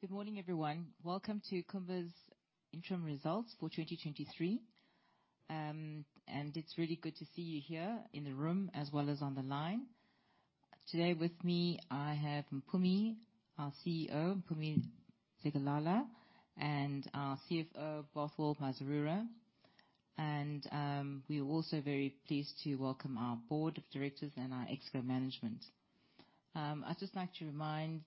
Good morning everyone. Welcome to Kumba's Interim Results for 2023. It's really good to see you here in the room, as well as on the line. Today with me, I have Mpumi, our CEO, Mpumi Zikalala, and our CFO, Bothwell Mazarura. We are also very pleased to welcome our board of directors and our exco management. I'd just like to remind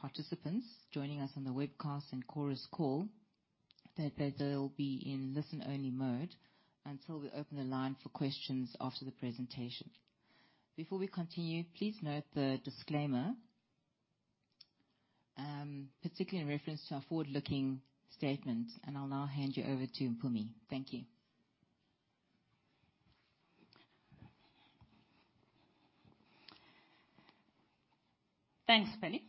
participants joining us on the webcast and Chorus Call that they'll be in listen-only mode until we open the line for questions after the presentation. Before we continue, please note the disclaimer, particularly in reference to our forward-looking statements. I'll now hand you over to Mpumi. Thank you. Thanks, Penny.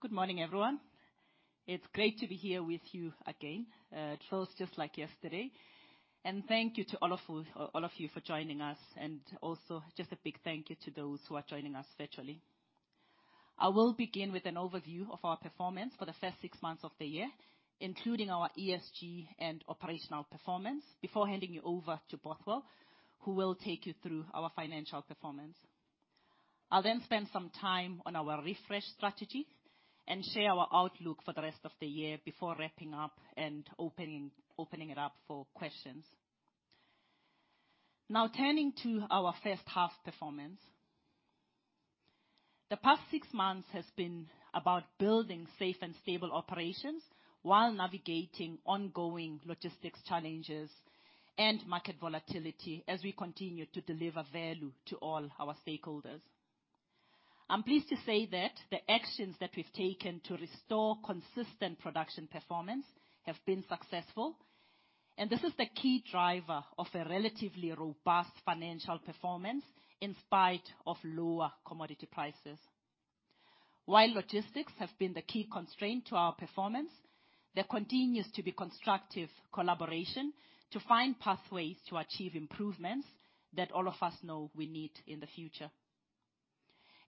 Good morning, everyone. It's great to be here with you again. It feels just like yesterday, and thank you to all of you for joining us, and also just a big thank you to those who are joining us virtually. I will begin with an overview of our performance for the first six months of the year, including our ESG and operational performance, before handing you over to Bothwell, who will take you through our financial performance. I'll then spend some time on our refresh strategy and share our outlook for the rest of the year before wrapping up and opening it up for questions. Turning to our H1 performance. The past six months has been about building safe and stable operations while navigating ongoing logistics challenges and market volatility as we continue to deliver value to all our stakeholders. I'm pleased to say that the actions that we've taken to restore consistent production performance have been successful. This is the key driver of a relatively robust financial performance in spite of lower commodity prices. While logistics have been the key constraint to our performance, there continues to be constructive collaboration to find pathways to achieve improvements that all of us know we need in the future.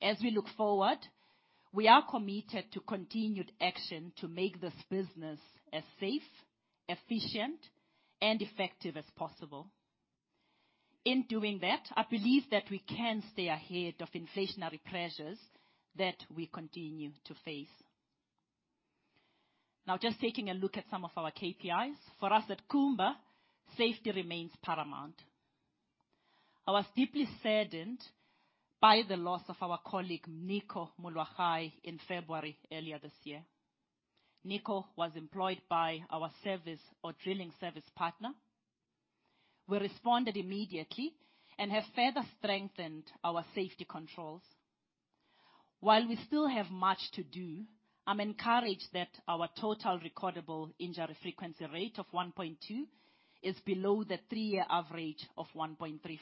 As we look forward, we are committed to continued action to make this business as safe, efficient, and effective as possible. In doing that, I believe that we can stay ahead of inflationary pressures that we continue to face. Just taking a look at some of our KPIs. For us at Kumba, safety remains paramount. I was deeply saddened by the loss of our colleague, Nico Molwahai, in February, earlier this year. Nico was employed by our service or drilling service partner. We responded immediately and have further strengthened our safety controls. While we still have much to do, I'm encouraged that our total recordable injury frequency rate of 1.2 is below the three-year average of 1.35.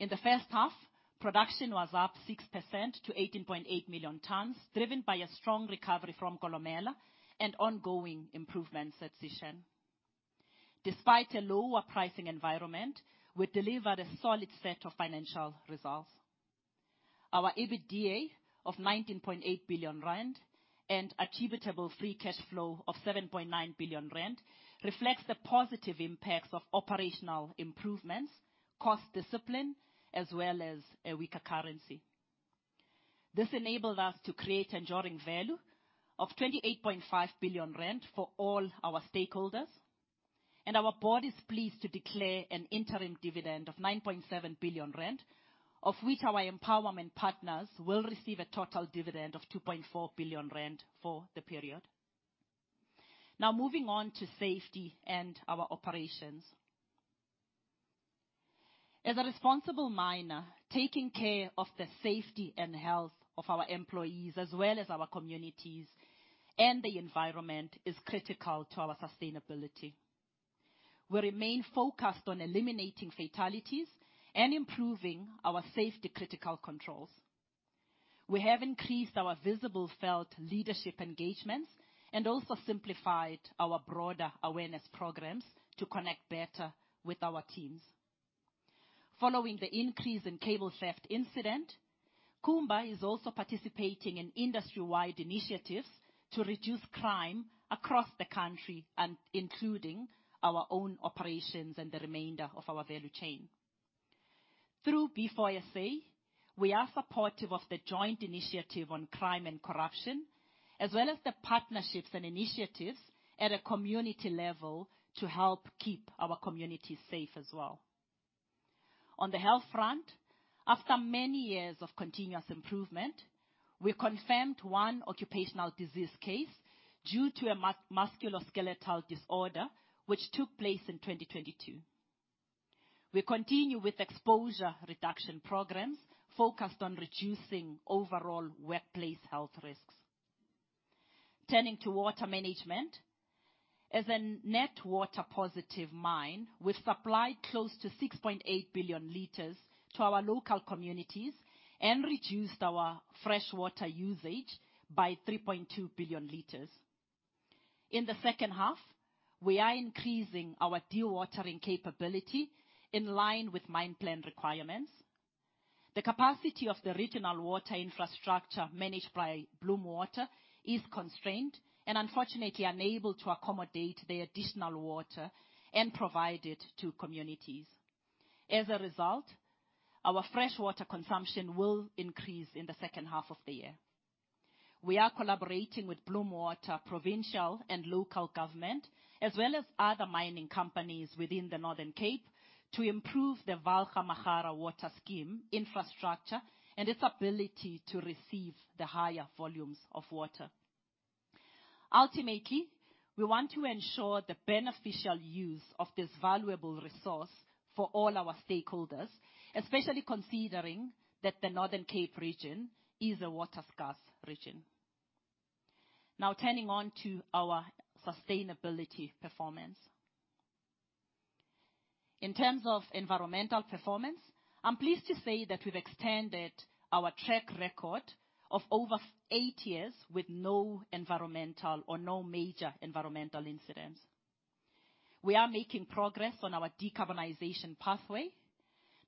In the H1, production was up 6% to 18.8 million tons, driven by a strong recovery from Kolomela and ongoing improvements at Sishen. Despite a lower pricing environment, we delivered a solid set of financial results. Our EBITDA of 19.8 billion rand and attributable free cash flow of 7.9 billion rand reflects the positive impacts of operational improvements, cost discipline, as well as a weaker currency. This enabled us to create enduring value of 28.5 billion rand for all our stakeholders. Our board is pleased to declare an interim dividend of 9.7 billion rand, of which our empowerment partners will receive a total dividend of 2.4 billion rand for the period. Moving on to safety and our operations. As a responsible miner, taking care of the safety and health of our employees, as well as our communities and the environment, is critical to our sustainability. We remain focused on eliminating fatalities and improving our safety-critical controls. We have increased our visible felt leadership engagements and also simplified our broader awareness programs to connect better with our teams. Following the increase in cable theft incident, Kumba is also participating in industry-wide initiatives to reduce crime across the country and including our own operations and the remainder of our value chain. Through B4SA, we are supportive of the joint initiative on crime and corruption, as well as the partnerships and initiatives at a community level, to help keep our communities safe as well. On the health front, after many years of continuous improvement, we confirmed one occupational disease case due to a musculoskeletal disorder, which took place in 2022. We continue with exposure reduction programs focused on reducing overall workplace health risks. Turning to water management. As a net water positive mine, we've supplied close to 6.8 billion L to our local communities and reduced our fresh water usage by 3.2 billion L. In the H2, we are increasing our dewatering capability in line with mine plan requirements. The capacity of the regional water infrastructure managed by Bloem Water is constrained, unfortunately unable to accommodate the additional water and provide it to communities. As a result, our fresh water consumption will increase in the H2 of the year. We are collaborating with Bloem Water, provincial and local government, as well as other mining companies within the Northern Cape, to improve the Vaal Gamagara Water Scheme infrastructure and its ability to receive the higher volumes of water. Ultimately, we want to ensure the beneficial use of this valuable resource for all our stakeholders, especially considering that the Northern Cape region is a water-scarce region. Turning on to our sustainability performance. In terms of environmental performance, I'm pleased to say that we've extended our track record of over eight years with no environmental or no major environmental incidents. We are making progress on our decarbonization pathway.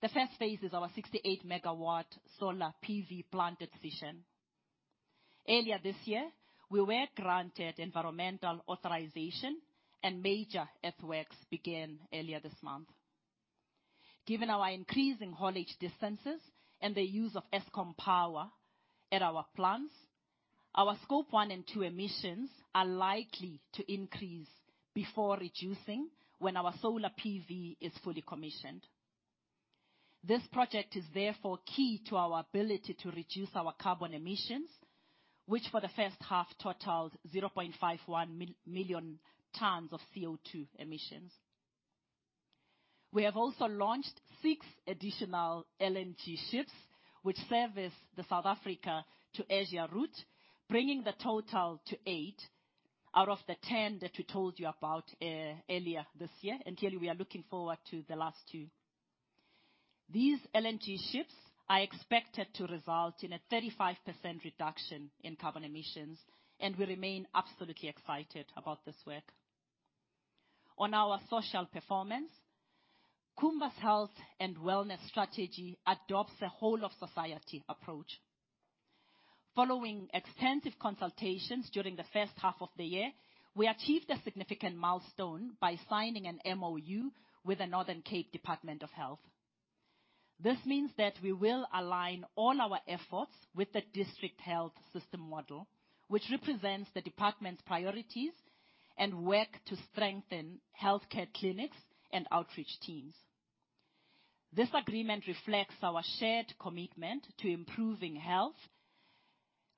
The phase I is our 68 MW solar PV plant at Sishen. Earlier this year, we were granted environmental authorization, and major earthworks began earlier this month. Given our increasing haulage distances and the use of Eskom power at our plants, our scope one and two emissions are likely to increase before reducing, when our solar PV is fully commissioned. This project is therefore key to our ability to reduce our carbon emissions, which for the H1 totaled 0.51 million tons of CO2 emissions. We have also launched six additional LNG ships, which service the South Africa to Asia route, bringing the total to eight out of the 10 that we told you about earlier this year. Clearly, we are looking forward to the last two. These LNG ships are expected to result in a 35% reduction in carbon emissions. We remain absolutely excited about this work. On our social performance, Kumba's health and wellness strategy adopts a whole of society approach. Following extensive consultations during the H1 of the year, we achieved a significant milestone by signing an MOU with the Northern Cape Department of Health. This means that we will align all our efforts with the district health system model, which represents the department's priorities, and work to strengthen healthcare clinics and outreach teams. This agreement reflects our shared commitment to improving health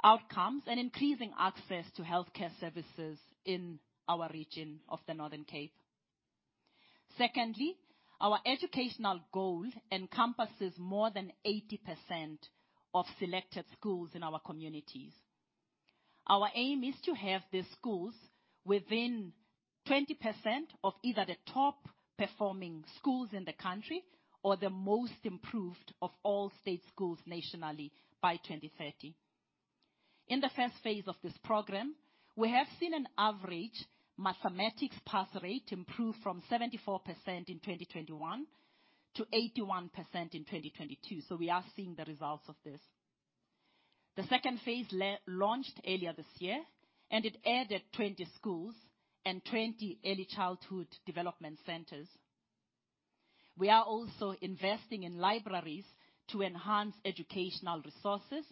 outcomes and increasing access to healthcare services in our region of the Northern Cape. Secondly, our educational goal encompasses more than 80% of selected schools in our communities. Our aim is to have these schools within 20% of either the top-performing schools in the country or the most improved of all state schools nationally by 2030. In the phase I of this program, we have seen an average mathematics pass rate improve from 74% in 2021 to 81% in 2022. We are seeing the results of this. The phase II launched earlier this year. It added 20 schools and 20 early childhood development centers. We are also investing in libraries to enhance educational resources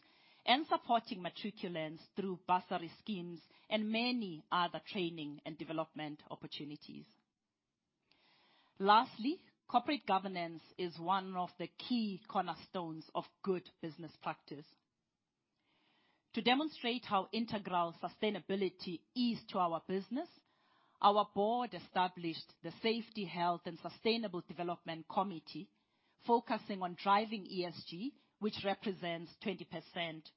and supporting matriculants through bursary schemes and many other training and development opportunities. Lastly, corporate governance is one of the key cornerstones of good business practice. To demonstrate how integral sustainability is to our business, our board established the Safety, Health, and Sustainable Development Committee, focusing on driving ESG, which represents 20%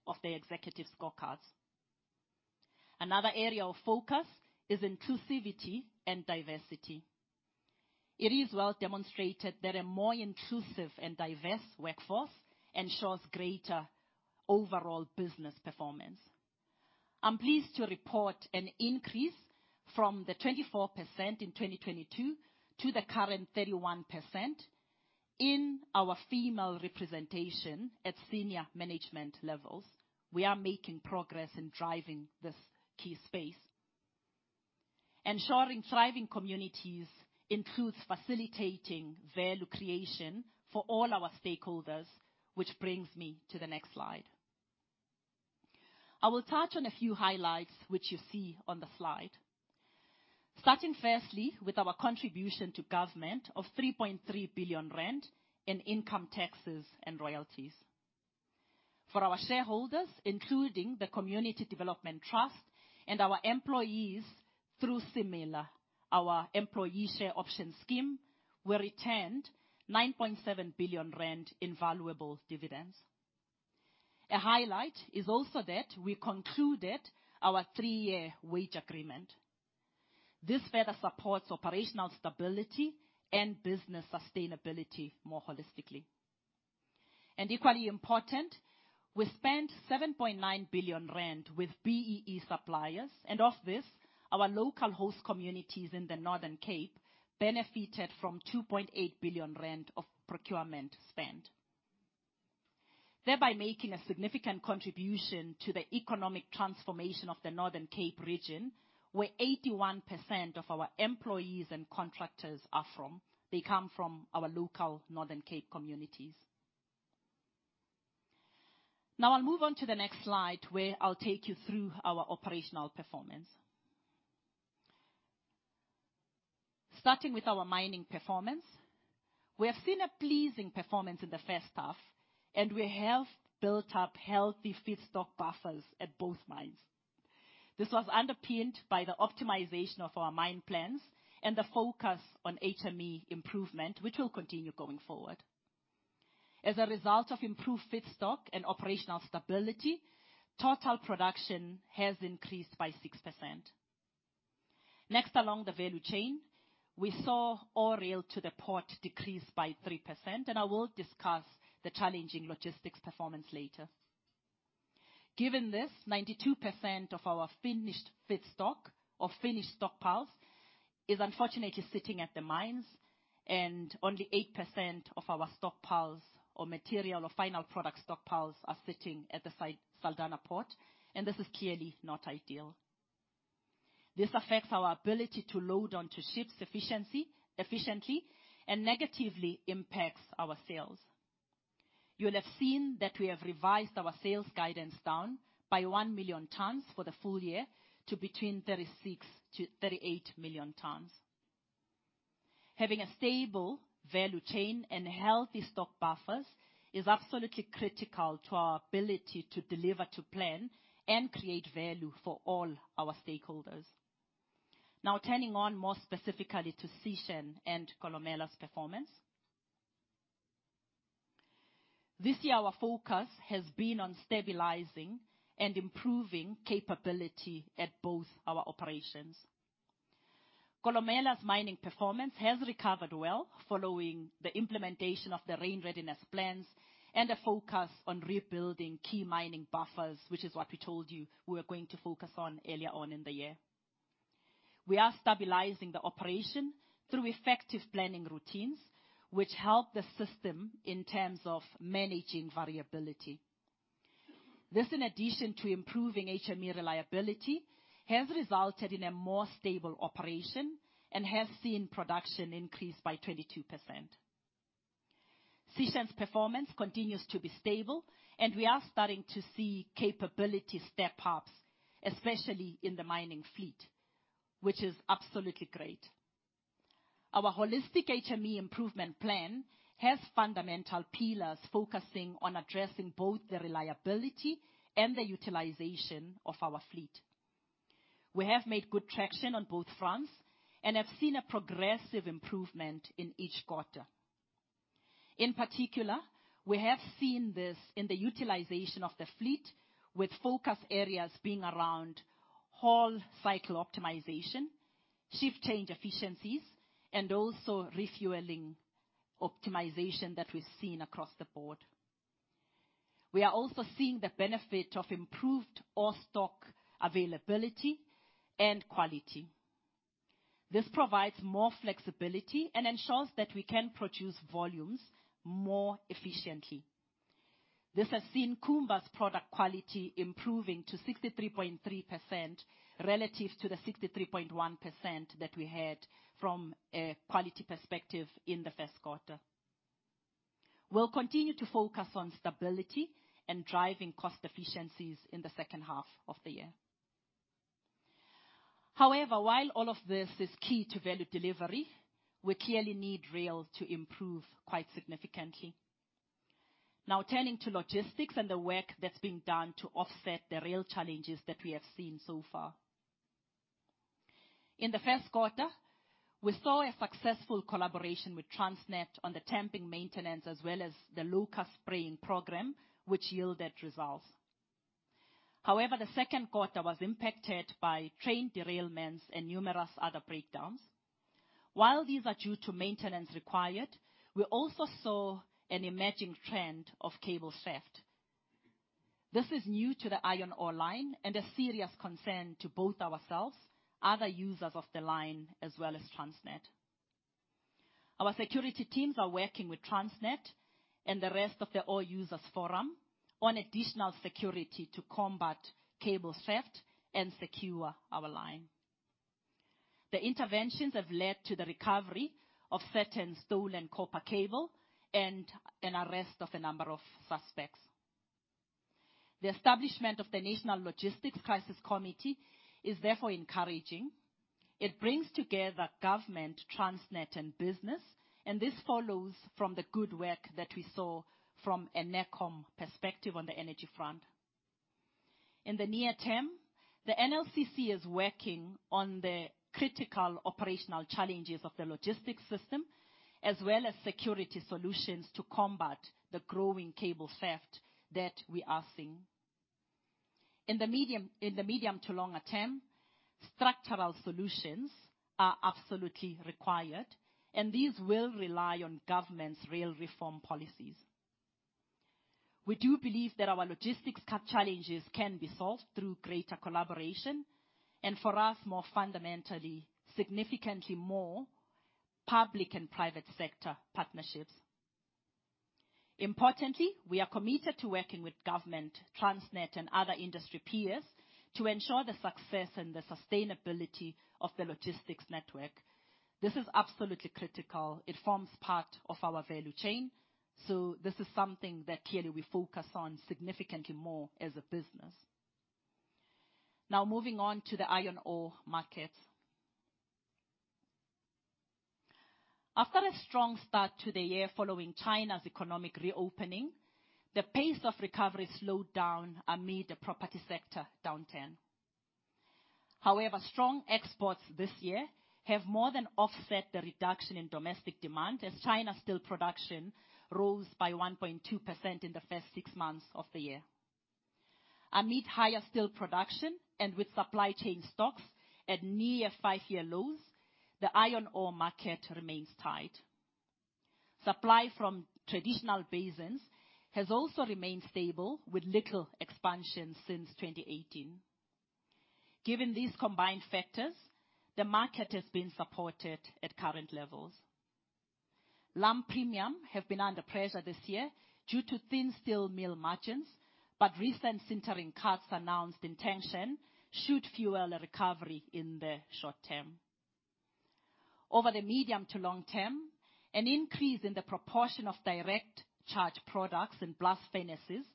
of the executive scorecards. Another area of focus is inclusivity and diversity. It is well demonstrated that a more inclusive and diverse workforce ensures greater overall business performance. I'm pleased to report an increase from the 24% in 2022 to the current 31% in our female representation at senior management levels. We are making progress in driving this key space. Ensuring thriving communities includes facilitating value creation for all our stakeholders, which brings me to the next slide. I will touch on a few highlights, which you see on the slide. Starting firstly with our contribution to government of 3.3 billion rand in income taxes and royalties. For our shareholders, including the Community Development Trust and our employees, through Simeka, our employee share option scheme, we returned 9.7 billion rand in valuable dividends. A highlight is also that we concluded our three-year wage agreement. This further supports operational stability and business sustainability more holistically. Equally important, we spent 7.9 billion rand with BEE suppliers, and of this, our local host communities in the Northern Cape benefited from 2.8 billion rand of procurement spend. Thereby making a significant contribution to the economic transformation of the Northern Cape region, where 81% of our employees and contractors are from. They come from our local Northern Cape communities. I'll move on to the next slide, where I'll take you through our operational performance. Starting with our mining performance, we have seen a pleasing performance in the H1. We have built up healthy feedstock buffers at both mines. This was underpinned by the optimization of our mine plans and the focus on HME improvement, which will continue going forward. As a result of improved feedstock and operational stability, total production has increased by 6%. Next, along the value chain, we saw ore rail to the port decrease by 3%. I will discuss the challenging logistics performance later. Given this, 92% of our finished feedstock or finished stockpiles is unfortunately sitting at the mines. Only 8% of our stockpiles or material or final product stockpiles are sitting at the site, Saldanha Port. This is clearly not ideal. This affects our ability to load onto ships efficiently. Negatively impacts our sales. You'll have seen that we have revised our sales guidance down by 1 million tons for the full year to between 36 million-38 million tons. Having a stable value chain and healthy stock buffers is absolutely critical to our ability to deliver to plan and create value for all our stakeholders. Turning on more specifically to Sishen and Kolomela's performance. This year, our focus has been on stabilizing and improving capability at both our operations. Kolomela's mining performance has recovered well following the implementation of the rain readiness plans and a focus on rebuilding key mining buffers, which is what we told you we were going to focus on earlier on in the year. We are stabilizing the operation through effective planning routines, which help the system in terms of managing variability. This, in addition to improving HME reliability, has resulted in a more stable operation and has seen production increase by 22%. Sishen's performance continues to be stable, and we are starting to see capability step-ups, especially in the mining fleet, which is absolutely great. Our holistic HME improvement plan has fundamental pillars focusing on addressing both the reliability and the utilization of our fleet. We have made good traction on both fronts and have seen a progressive improvement in each quarter. In particular, we have seen this in the utilization of the fleet, with focus areas being around whole cycle optimization, shift change efficiencies, and also refueling optimization that we've seen across the board. We are also seeing the benefit of improved ore stock availability and quality. This provides more flexibility and ensures that we can produce volumes more efficiently. This has seen Kumba's product quality improving to 63.3%, relative to the 63.1% that we had from a quality perspective in the Q1. We'll continue to focus on stability and driving cost efficiencies in the H2 of the year. While all of this is key to value delivery, we clearly need rail to improve quite significantly. Turning to logistics and the work that's being done to offset the rail challenges that we have seen so far. In the Q1, we saw a successful collaboration with Transnet on the tamping maintenance as well as the loco spraying program, which yielded results. The Q2 was impacted by train derailments and numerous other breakdowns. While these are due to maintenance required, we also saw an emerging trend of cable theft. This is new to the iron ore line and a serious concern to both ourselves, other users of the line, as well as Transnet. Our security teams are working with Transnet and the rest of the Ore Users Forum on additional security to combat cable theft and secure our line. The interventions have led to the recovery of certain stolen copper cable and an arrest of a number of suspects. The establishment of the National Logistics Crisis Committee is therefore encouraging. It brings together government, Transnet, and business. This follows from the good work that we saw from a NECOM perspective on the energy front. In the near term, the NLCC is working on the critical operational challenges of the logistics system, as well as security solutions to combat the growing cable theft that we are seeing. In the medium to longer term, structural solutions are absolutely required. These will rely on government's real reform policies. We do believe that our logistics challenges can be solved through greater collaboration. For us, more fundamentally, significantly more public and private sector partnerships. Importantly, we are committed to working with government, Transnet, and other industry peers to ensure the success and the sustainability of the logistics network. This is absolutely critical. It forms part of our value chain. This is something that clearly we focus on significantly more as a business. Moving on to the iron ore market. After a strong start to the year following China's economic reopening, the pace of recovery slowed down amid the property sector downturn. Strong exports this year have more than offset the reduction in domestic demand, as China's steel production rose by 1.2% in the first six months of the year. Amid higher steel production, with supply chain stocks at near five-year lows, the iron ore market remains tight. Supply from traditional basins has also remained stable, with little expansion since 2018. Given these combined factors, the market has been supported at current levels. Lump premium have been under pressure this year due to thin steel mill margins, recent sintering cuts announced in Tangshan, should fuel a recovery in the short term. Over the medium to long term, an increase in the proportion of direct charge products in blast furnaces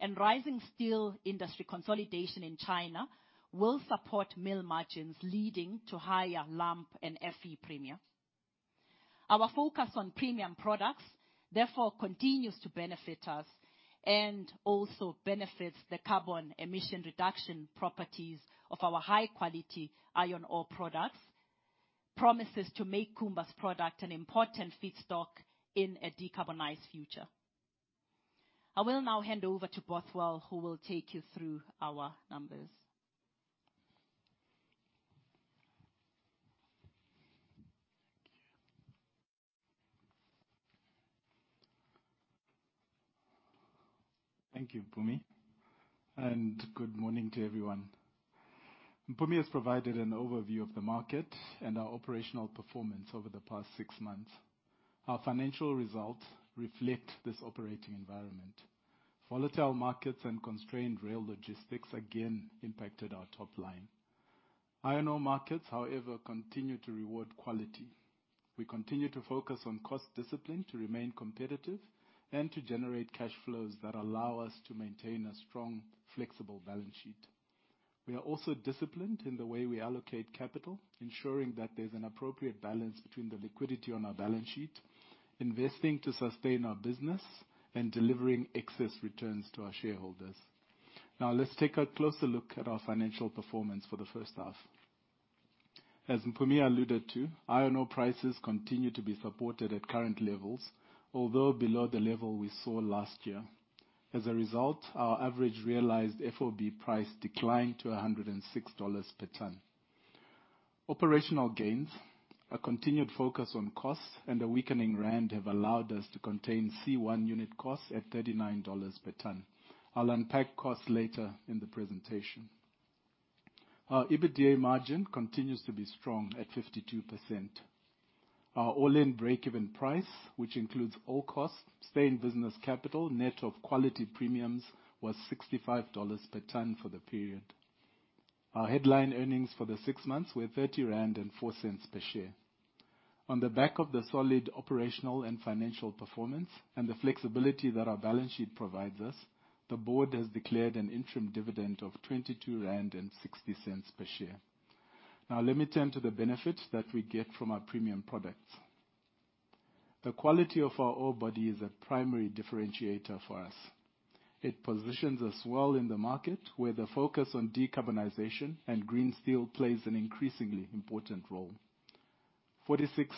and rising steel industry consolidation in China will support mill margins, leading to higher lump and Fe premium. Our focus on premium products, therefore, continues to benefit us and also benefits the carbon emission reduction properties of our high-quality iron ore products, promises to make Kumba's product an important feedstock in a decarbonized future. I will now hand over to Bothwell, who will take you through our numbers. Thank you, Mpumi, and good morning to everyone. Mpumi has provided an overview of the market and our operational performance over the past six months. Our financial results reflect this operating environment. Volatile markets and constrained rail logistics again impacted our top line. Iron ore markets, however, continue to reward quality. We continue to focus on cost discipline to remain competitive and to generate cash flows that allow us to maintain a strong, flexible balance sheet. We are also disciplined in the way we allocate capital, ensuring that there's an appropriate balance between the liquidity on our balance sheet, investing to sustain our business, and delivering excess returns to our shareholders. Now, let's take a closer look at our financial performance for the H1. As Mpumi alluded to, iron ore prices continue to be supported at current levels, although below the level we saw last year. As a result, our average realized FOB price declined to $106 per ton. Operational gains, a continued focus on costs, and a weakening rand, have allowed us to contain C1 unit costs at $39 per ton. I'll unpack costs later in the presentation. Our EBITDA margin continues to be strong at 52%. Our all-in break-even price, which includes all costs, stay-in-business capital, net of quality premiums, was $65 per ton for the period. Our headline earnings for the six months were 30.04 rand per share. On the back of the solid operational and financial performance, and the flexibility that our balance sheet provides us, the board has declared an interim dividend of 22.60 rand per share. Now let me turn to the benefits that we get from our premium products. The quality of our ore body is a primary differentiator for us. It positions us well in the market, where the focus on decarbonization and green steel plays an increasingly important role. 46%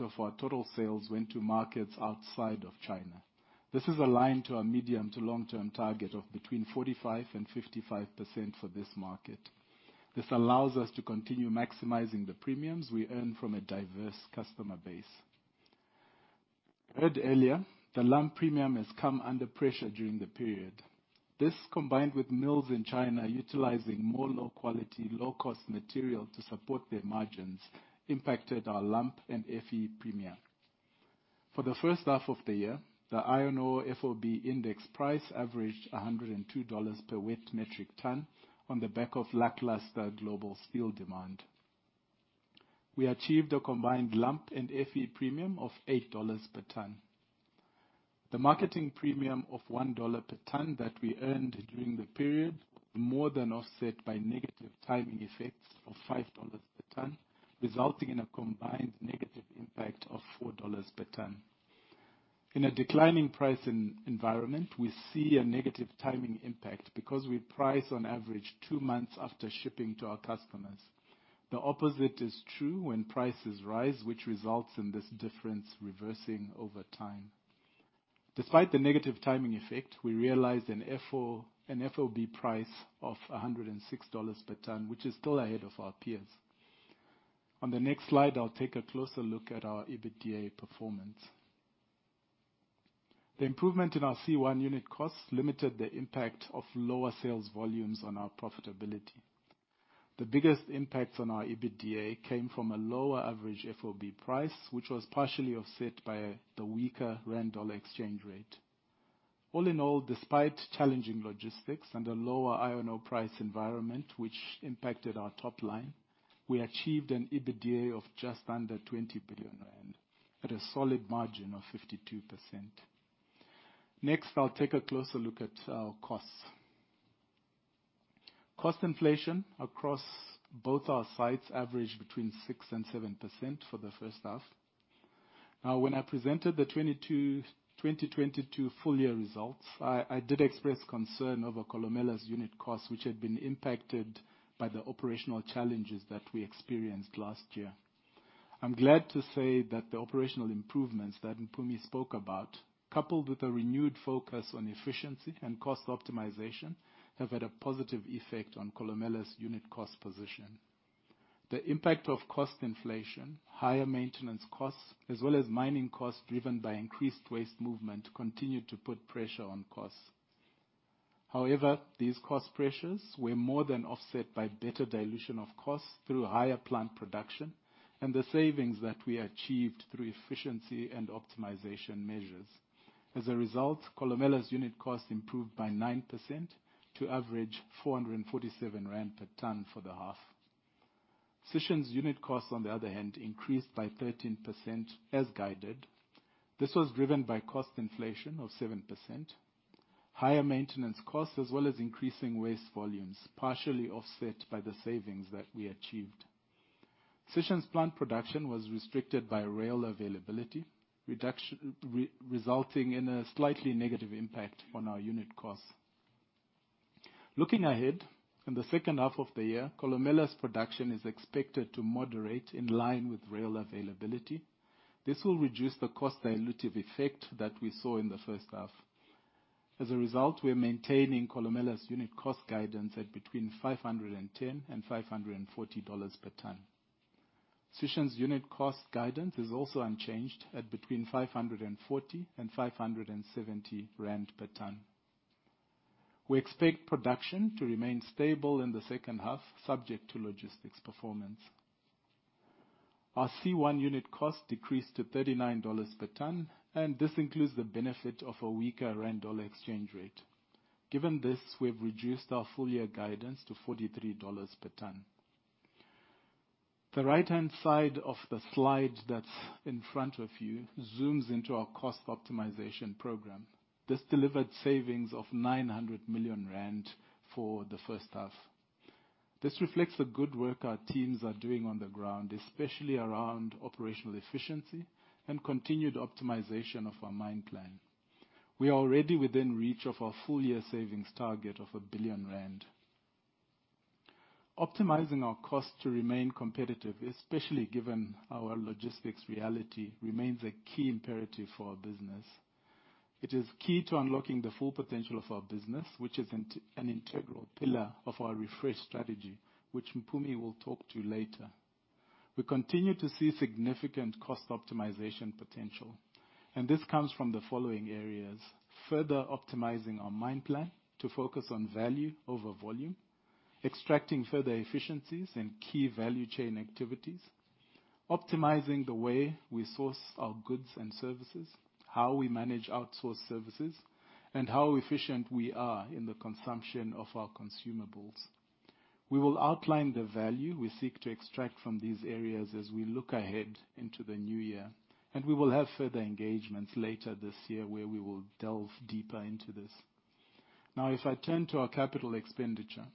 of our total sales went to markets outside of China. This is aligned to our medium to long-term target of between 45% and 55% for this market. This allows us to continue maximizing the premiums we earn from a diverse customer base. You heard earlier, the lump premium has come under pressure during the period. This, combined with mills in China utilizing more low-quality, low-cost material to support their margins, impacted our lump and Fe premium. For the H1 of the year, the iron ore FOB index price averaged $102 per wet metric ton on the back of lackluster global steel demand. We achieved a combined lump and Fe premium of $8 per ton. The marketing premium of $1 per ton that we earned during the period, more than offset by negative timing effects of $5 per ton, resulting in a combined negative impact of $4 per ton. In a declining price environment, we see a negative timing impact because we price, on average, two months after shipping to our customers. The opposite is true when prices rise, which results in this difference reversing over time. Despite the negative timing effect, we realized an FOB price of $106 per ton, which is still ahead of our peers. On the next slide, I'll take a closer look at our EBITDA performance. The improvement in our C1 unit costs limited the impact of lower sales volumes on our profitability. The biggest impacts on our EBITDA came from a lower average FOB price, which was partially offset by the weaker rand dollar exchange rate. All in all, despite challenging logistics and a lower iron ore price environment, which impacted our top line, we achieved an EBITDA of just under 20 billion rand at a solid margin of 52%. Next, I'll take a closer look at our costs. Cost inflation across both our sites averaged between 6% and 7% for the H1. Now, when I presented the 2022 full year results, I did express concern over Kolomela's unit costs, which had been impacted by the operational challenges that we experienced last year. I'm glad to say that the operational improvements that Mpumi spoke about, coupled with a renewed focus on efficiency and cost optimization, have had a positive effect on Kolomela's unit cost position. The impact of cost inflation, higher maintenance costs, as well as mining costs driven by increased waste movement, continued to put pressure on costs. However, these cost pressures were more than offset by better dilution of costs through higher plant production and the savings that we achieved through efficiency and optimization measures. As a result, Kolomela's unit costs improved by 9% to average 447 rand per ton for the half. Sishen's unit costs, on the other hand, increased by 13% as guided. This was driven by cost inflation of 7%, higher maintenance costs, as well as increasing waste volumes, partially offset by the savings that we achieved. Sishen's plant production was restricted by rail availability, resulting in a slightly negative impact on our unit costs. Looking ahead, in the H2 of the year, Kolomela's production is expected to moderate in line with rail availability. This will reduce the cost dilutive effect that we saw in the H1. As a result, we're maintaining Kolomela's unit cost guidance at between $510 and $540 per ton. Sishen's unit cost guidance is also unchanged at between 540 and 570 rand per ton. We expect production to remain stable in the H2, subject to logistics performance. Our C1 unit cost decreased to $39 per ton, and this includes the benefit of a weaker rand/US dollar exchange rate. We've reduced our full year guidance to $43 per ton. The right-hand side of the slide that's in front of you zooms into our cost optimization program. This delivered savings of 900 million rand for the H1. This reflects the good work our teams are doing on the ground, especially around operational efficiency and continued optimization of our mine plan. We are already within reach of our full year savings target of 1 billion rand. Optimizing our costs to remain competitive, especially given our logistics reality, remains a key imperative for our business. It is key to unlocking the full potential of our business, which is an integral pillar of our refreshed strategy, which Mpumi will talk to later. We continue to see significant cost optimization potential, and this comes from the following areas: further optimizing our mine plan to focus on value over volume, extracting further efficiencies in key value chain activities, optimizing the way we source our goods and services, how we manage outsourced services, and how efficient we are in the consumption of our consumables. We will outline the value we seek to extract from these areas as we look ahead into the new year, and we will have further engagements later this year, where we will delve deeper into this. Now, if I turn to our capital expenditure.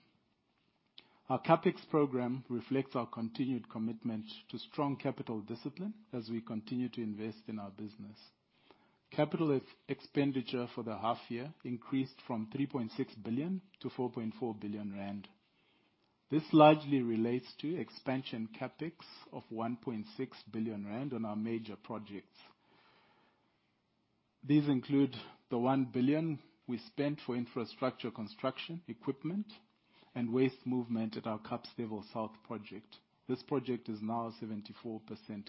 Our CapEx program reflects our continued commitment to strong capital discipline as we continue to invest in our business. Capital expenditure for the half year increased from 3.6 billion-4.4 billion rand. This largely relates to expansion CapEx of 1.6 billion rand on our major projects. These include the 1 billion we spent for infrastructure construction, equipment, and waste movement at our Kapstevel South project. This project is now 74%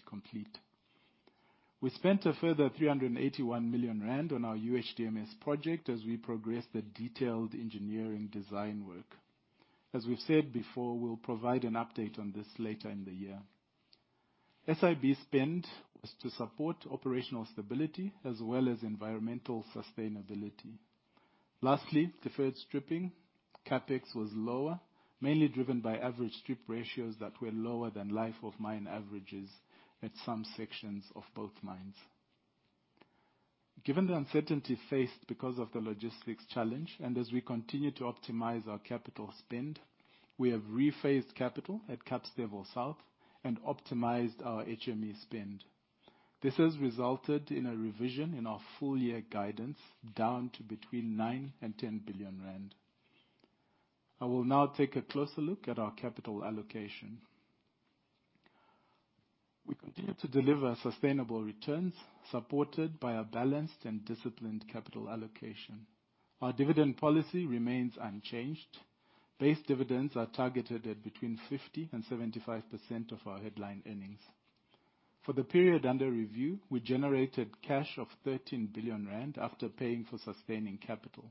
complete. We spent a further 381 million rand on our UHDMS project as we progressed the detailed engineering design work. As we've said before, we'll provide an update on this later in the year. SIB spend was to support operational stability as well as environmental sustainability. Deferred stripping CapEx was lower, mainly driven by average strip ratios that were lower than life of mine averages at some sections of both mines. Given the uncertainty faced because of the logistics challenge, and as we continue to optimize our capital spend, we have rephased capital at Kapstevel South and optimized our HME spend. This has resulted in a revision in our full year guidance, down to between 9 billion and 10 billion rand. I will now take a closer look at our capital allocation. We continue to deliver sustainable returns, supported by a balanced and disciplined capital allocation. Our dividend policy remains unchanged. Base dividends are targeted at between 50% and 75% of our headline earnings. For the period under review, we generated cash of 13 billion rand after paying for sustaining capital.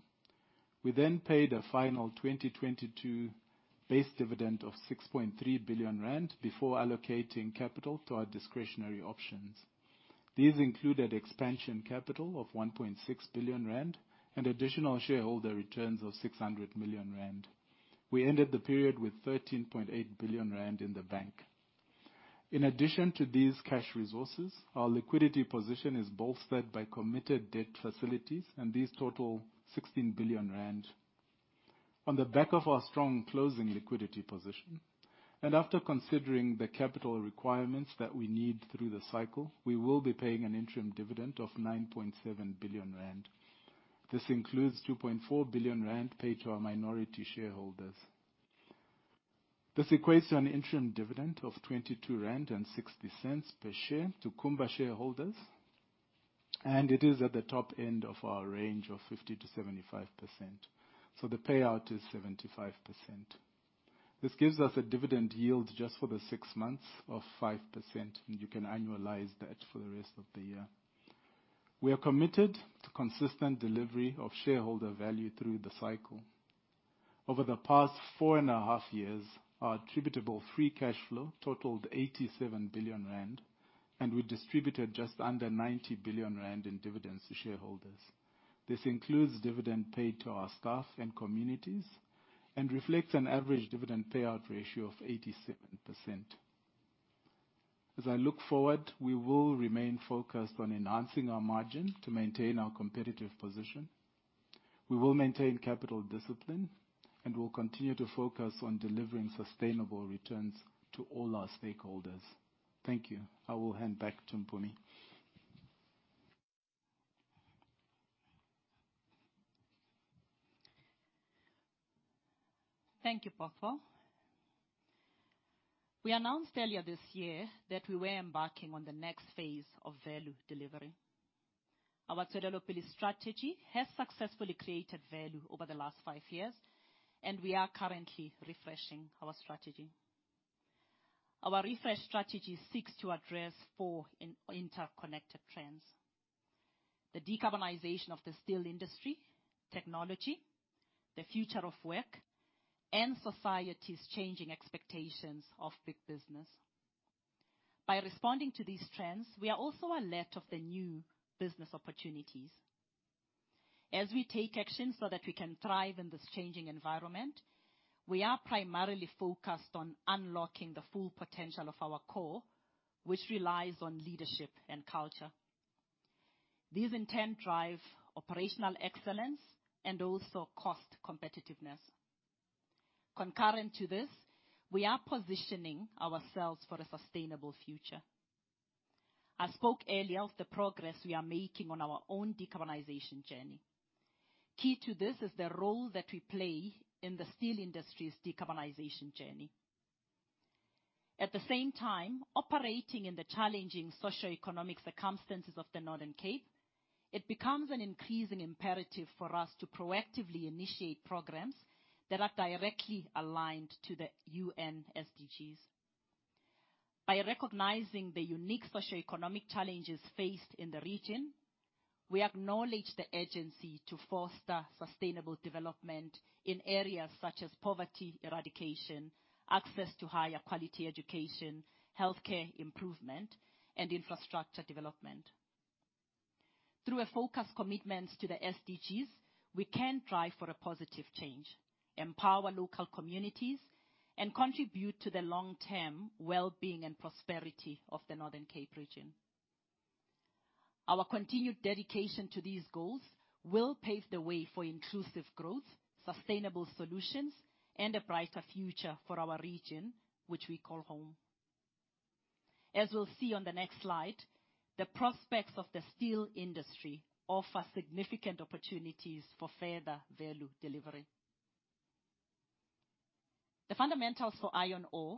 We paid a final 2022 base dividend of 6.3 billion rand before allocating capital to our discretionary options. These included expansion capital of 1.6 billion rand and additional shareholder returns of 600 million rand. We ended the period with 13.8 billion rand in the bank. In addition to these cash resources, our liquidity position is bolstered by committed debt facilities. These total 16 billion rand. On the back of our strong closing liquidity position, after considering the capital requirements that we need through the cycle, we will be paying an interim dividend of 9.7 billion rand. This includes 2.4 billion rand paid to our minority shareholders. This equates to an interim dividend of 22.60 rand per share to Kumba shareholders. It is at the top end of our range of 50%-75%, so the payout is 75%. This gives us a dividend yield just for the six months of 5%. You can annualize that for the rest of the year. We are committed to consistent delivery of shareholder value through the cycle. Over the past four and a half years, our attributable free cash flow totaled 87 billion rand, and we distributed just under 90 billion rand in dividends to shareholders. This includes dividend paid to our staff and communities and reflects an average dividend payout ratio of 87%. As I look forward, we will remain focused on enhancing our margin to maintain our competitive position. We will maintain capital discipline, and we'll continue to focus on delivering sustainable returns to all our stakeholders. Thank you. I will hand back to Mpumi. Thank you, Bothwell. We announced earlier this year that we were embarking on the next phase of value delivery. Our Tswelelopele strategy has successfully created value over the last five years, and we are currently refreshing our strategy. Our refresh strategy seeks to address four interconnected trends: the decarbonization of the steel industry, technology, the future of work, and society's changing expectations of big business. By responding to these trends, we are also alert of the new business opportunities. As we take action so that we can thrive in this changing environment, we are primarily focused on unlocking the full potential of our core, which relies on leadership and culture. These in turn drive operational excellence and also cost competitiveness. Concurrent to this, we are positioning ourselves for a sustainable future. I spoke earlier of the progress we are making on our own decarbonization journey. Key to this is the role that we play in the steel industry's decarbonization journey. At the same time, operating in the challenging socioeconomic circumstances of the Northern Cape, it becomes an increasing imperative for us to proactively initiate programs that are directly aligned to the UN SDGs. By recognizing the unique socioeconomic challenges faced in the region, we acknowledge the urgency to foster sustainable development in areas such as poverty eradication, access to higher quality education, healthcare improvement, and infrastructure development. Through a focused commitment to the SDGs, we can drive for a positive change, empower local communities, and contribute to the long-term well-being and prosperity of the Northern Cape region. Our continued dedication to these goals will pave the way for inclusive growth, sustainable solutions, and a brighter future for our region, which we call home. As we'll see on the next slide, the prospects of the steel industry offer significant opportunities for further value delivery. The fundamentals for iron ore,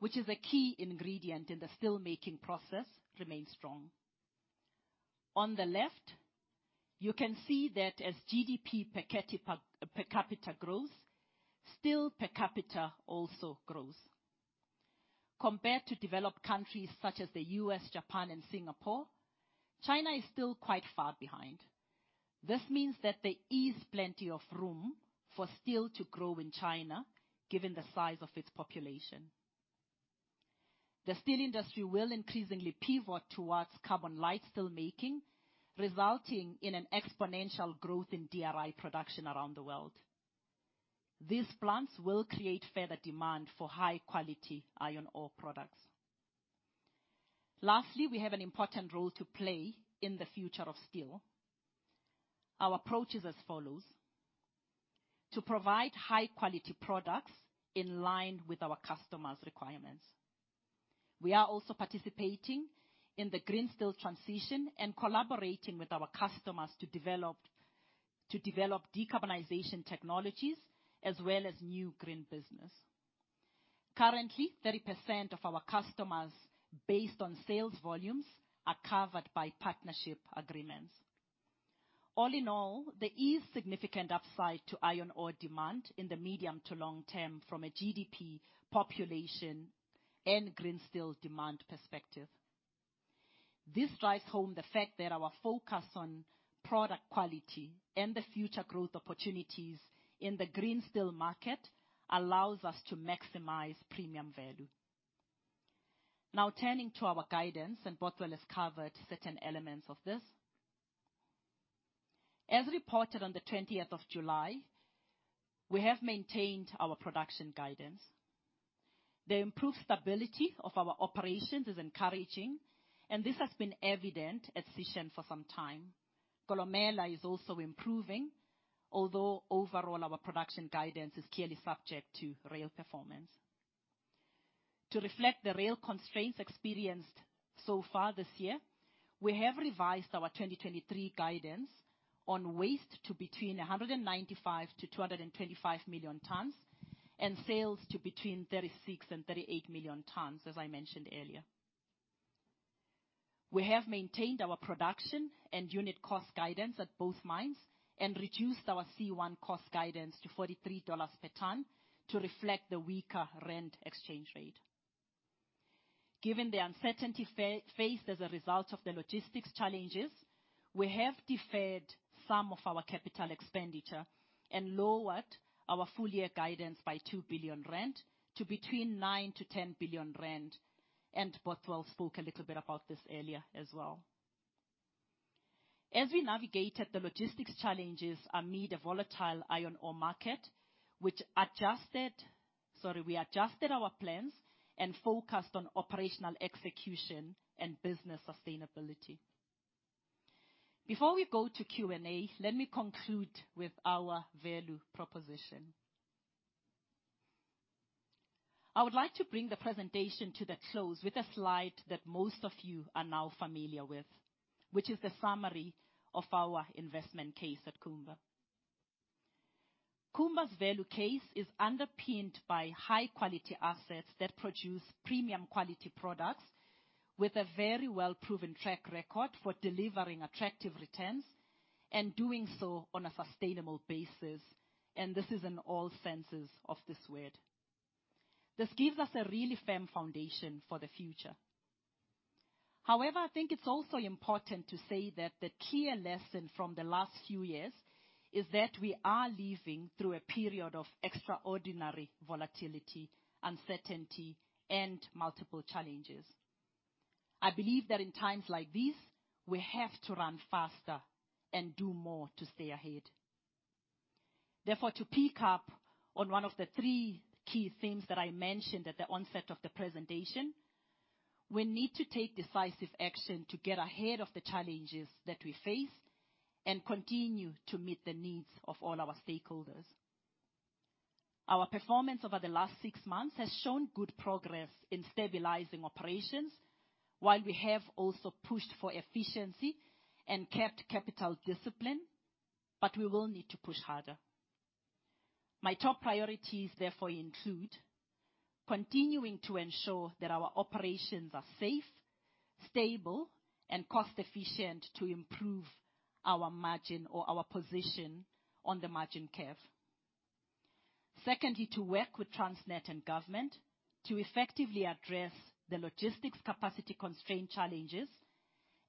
which is a key ingredient in the steelmaking process, remain strong. On the left, you can see that as GDP per capital growth, steel per capital also grows. Compared to developed countries such as the U.S., Japan, and Singapore. China is still quite far behind. This means that there is plenty of room for steel to grow in China, given the size of its population. The steel industry will increasingly pivot towards carbon-light steelmaking, resulting in an exponential growth in DRI production around the world. These plants will create further demand for high-quality iron ore products. Lastly, we have an important role to play in the future of steel. Our approach is as follows: to provide high-quality products in line with our customers' requirements. We are also participating in the green steel transition and collaborating with our customers to develop decarbonization technologies as well as new green business. Currently, 30% of our customers, based on sales volumes, are covered by partnership agreements. All in all, there is significant upside to iron ore demand in the medium to long term from a GDP, population, and green steel demand perspective. This drives home the fact that our focus on product quality and the future growth opportunities in the green steel market allows us to maximize premium value. Now turning to our guidance, and Bothwell has covered certain elements of this. As reported on the 20th of July, we have maintained our production guidance. The improved stability of our operations is encouraging, and this has been evident at Sishen for some time. Kolomela is also improving, although overall, our production guidance is clearly subject to rail performance. To reflect the rail constraints experienced so far this year, we have revised our 2023 guidance on waste to between 195 million-225 million tons, and sales to between 36 million-38 million tons, as I mentioned earlier. We have maintained our production and unit cost guidance at both mines and reduced our C1 cost guidance to $43 per ton to reflect the weaker rand exchange rate. Given the uncertainty faced as a result of the logistics challenges, we have deferred some of our capital expenditure and lowered our full year guidance by 2 billion rand to between 9 billion-10 billion rand. Bothwell spoke a little bit about this earlier as well. As we navigated the logistics challenges amid a volatile iron ore market, Sorry, we adjusted our plans and focused on operational execution and business sustainability. Before we go to Q&A, let me conclude with our value proposition. I would like to bring the presentation to the close with a slide that most of you are now familiar with, which is the summary of our investment case at Kumba. Kumba's value case is underpinned by high quality assets that produce premium quality products with a very well-proven track record for delivering attractive returns and doing so on a sustainable basis, and this is in all senses of this word. This gives us a really firm foundation for the future. However, I think it's also important to say that the clear lesson from the last few years is that we are living through a period of extraordinary volatility, uncertainty, and multiple challenges. I believe that in times like these, we have to run faster and do more to stay ahead. Therefore, to pick up on one of the three key themes that I mentioned at the onset of the presentation, we need to take decisive action to get ahead of the challenges that we face and continue to meet the needs of all our stakeholders. Our performance over the last six months has shown good progress in stabilizing operations, while we have also pushed for efficiency and kept capital discipline. We will need to push harder. My top priorities, therefore, include continuing to ensure that our operations are safe, stable, and cost efficient to improve our margin or our position on the margin curve. Secondly, to work with Transnet and government to effectively address the logistics capacity constraint challenges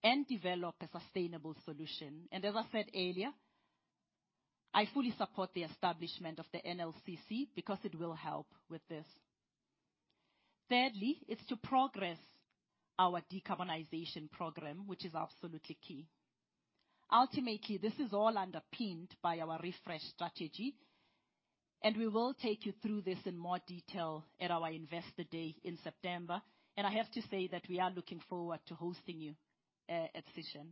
and develop a sustainable solution. As I said earlier, I fully support the establishment of the NLCC because it will help with this. Thirdly, is to progress our decarbonization program, which is absolutely key. Ultimately, this is all underpinned by our refreshed strategy, and we will take you through this in more detail at our Investor Day in September. I have to say that we are looking forward to hosting you at Sishen.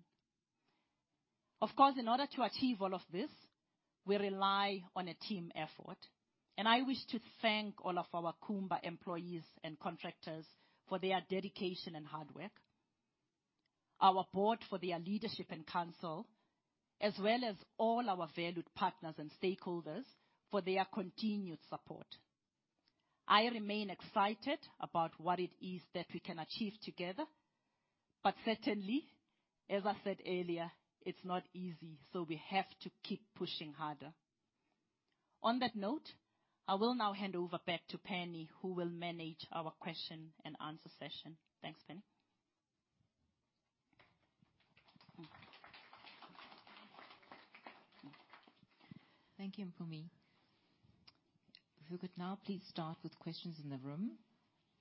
Of course, in order to achieve all of this, we rely on a team effort, and I wish to thank all of our Kumba employees and contractors for their dedication and hard work, our board for their leadership and counsel, as well as all our valued partners and stakeholders for their continued support. I remain excited about what it is that we can achieve together, but certainly, as I said earlier, it's not easy, so we have to keep pushing harder. On that note, I will now hand over back to Penny, who will manage our question and answer session. Thanks, Penny. Thank you, Mpumi. If we could now please start with questions in the room.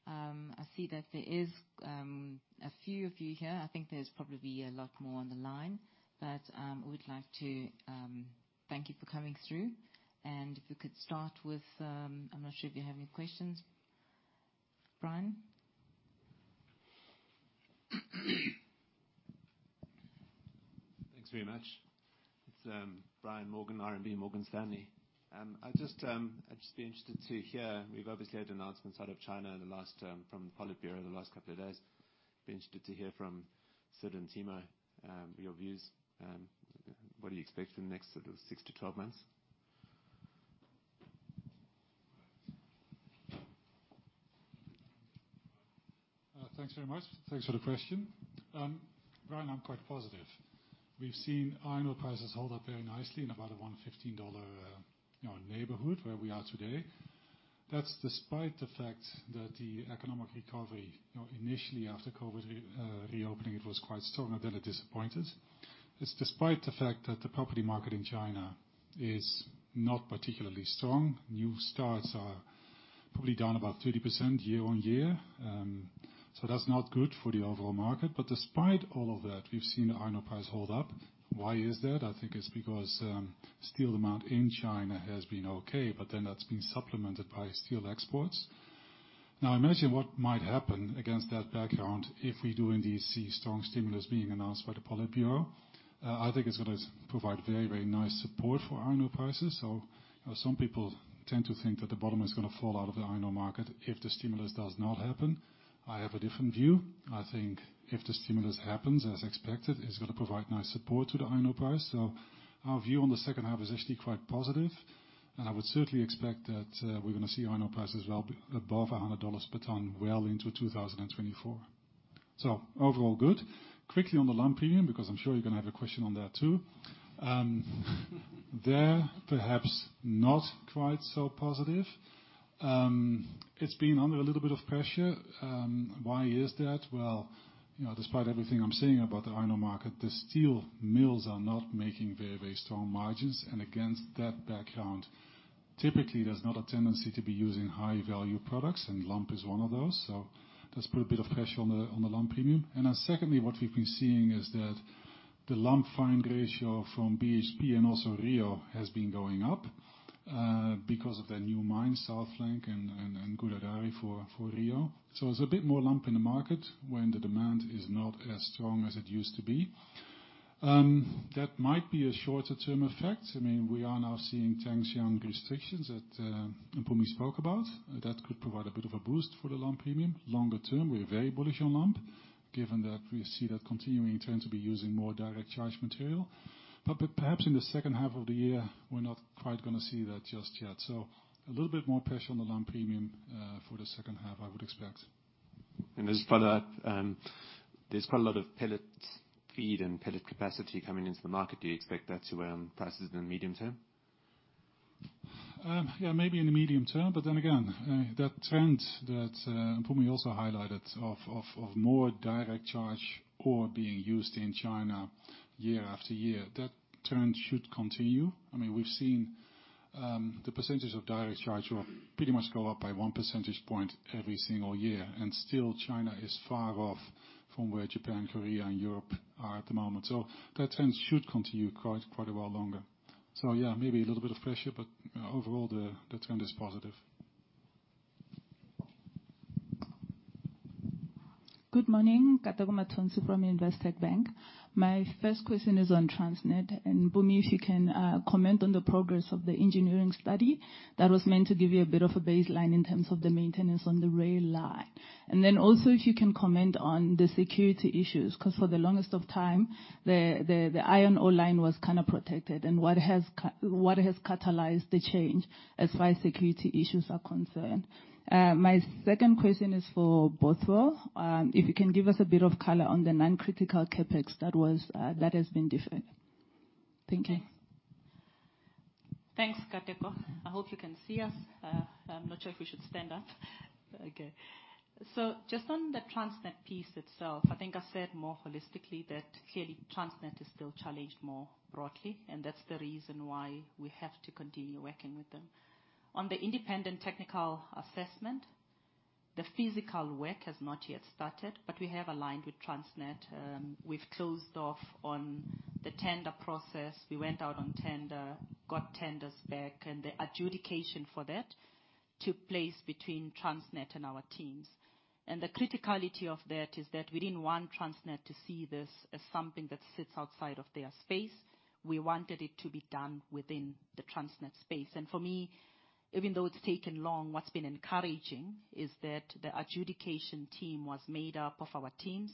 I see that there is a few of you here. I think there's probably a lot more on the line, but we would like to thank you for coming through. If we could start with, I'm not sure if you have any questions. Brian? Thanks very much. It's Brian Morgan, RMB Morgan Stanley. I just, I'd just be interested to hear, we've obviously had announcements out of China in the last from the Politburo in the last couple of days be interested to hear from Syd and Timo, your views and what do you expect in the next sort of six-12 months? Thanks very much. Thanks for the question. Brian, I'm quite positive. We've seen iron ore prices hold up very nicely in about a $115 neighborhood where we are today. That's despite the fact that the economic recovery, you know, initially after COVID reopening, it was quite strong, but then it disappointed. It's despite the fact that the property market in China is not particularly strong. New starts are probably down about 30% year-on-year. That's not good for the overall market. Despite all of that, we've seen the iron ore price hold up. Why is that? I think it's because steel demand in China has been okay, but then that's been supplemented by steel exports. Now, imagine what might happen against that background if we do indeed see strong stimulus being announced by the Politburo. I think it's gonna provide very, very nice support for iron ore prices. Some people tend to think that the bottom is gonna fall out of the iron ore market if the stimulus does not happen. I have a different view. I think if the stimulus happens as expected, it's gonna provide nice support to the iron ore price. Our view on the H2 is actually quite positive, and I would certainly expect that we're gonna see iron ore prices well above $100 per ton well into 2024. Overall, good. Quickly on the lump premium, because I'm sure you're gonna have a question on that too. There, perhaps not quite so positive. It's been under a little bit of pressure. Why is that? You know, despite everything I'm saying about the iron ore market, the steel mills are not making very strong margins, and against that background, typically, there's not a tendency to be using high-value products, and lump is one of those. That's put a bit of pressure on the lump premium. Secondly, what we've been seeing is that the lump fine ratio from BHP and also Rio has been going up because of their new mine, South Flank and Gudai-Darri for Rio. There's a bit more lump in the market when the demand is not as strong as it used to be. That might be a shorter-term effect. I mean, we are now seeing Tangshan restrictions that Mpumi spoke about, that could provide a bit of a boost for the lump premium. Longer term, we're very bullish on lump, given that we see that continuing trend to be using more direct charge material. Perhaps in the H2 of the year, we're not quite going to see that just yet. A little bit more pressure on the lump premium for the H2, I would expect. Just to follow up, there's quite a lot of pellet feed and pellet capacity coming into the market. Do you expect that to earn prices in the medium term? Yeah, maybe in the medium term, that trend that Mpumi also highlighted of more direct charge ore being used in China year after year, that trend should continue. I mean, we've seen the percentage of direct charge ore pretty much go up by one percentage point every single year, and still, China is far off from where Japan, Korea and Europe are at the moment. That trend should continue quite a while longer. Yeah, maybe a little bit of pressure, but overall, the trend is positive. Good morning, Katlego Mothotsane from Investec Bank. My first question is on Transnet, Mpumi, if you can comment on the progress of the engineering study that was meant to give you a bit of a baseline in terms of the maintenance on the rail line. Also, if you can comment on the security issues, 'cause for the longest of time, the iron ore line was kind of protected, and what has catalyzed the change as far as security issues are concerned? My second question is for Bothwell. If you can give us a bit of color on the non-critical CapEx that has been deferred. Thank you. Thanks, Katlego. I hope you can see us. I'm not sure if we should stand up. Okay. Just on the Transnet piece itself, I think I said more holistically that clearly, Transnet is still challenged more broadly, and that's the reason why we have to continue working with them. On the independent technical assessment, the physical work has not yet started, but we have aligned with Transnet. We've closed off on the tender process. We went out on tender, got tenders back, and the adjudication for that took place between Transnet and our teams. The criticality of that is that we didn't want Transnet to see this as something that sits outside of their space. We wanted it to be done within the Transnet space. For me, even though it's taken long, what's been encouraging is that the adjudication team was made up of our teams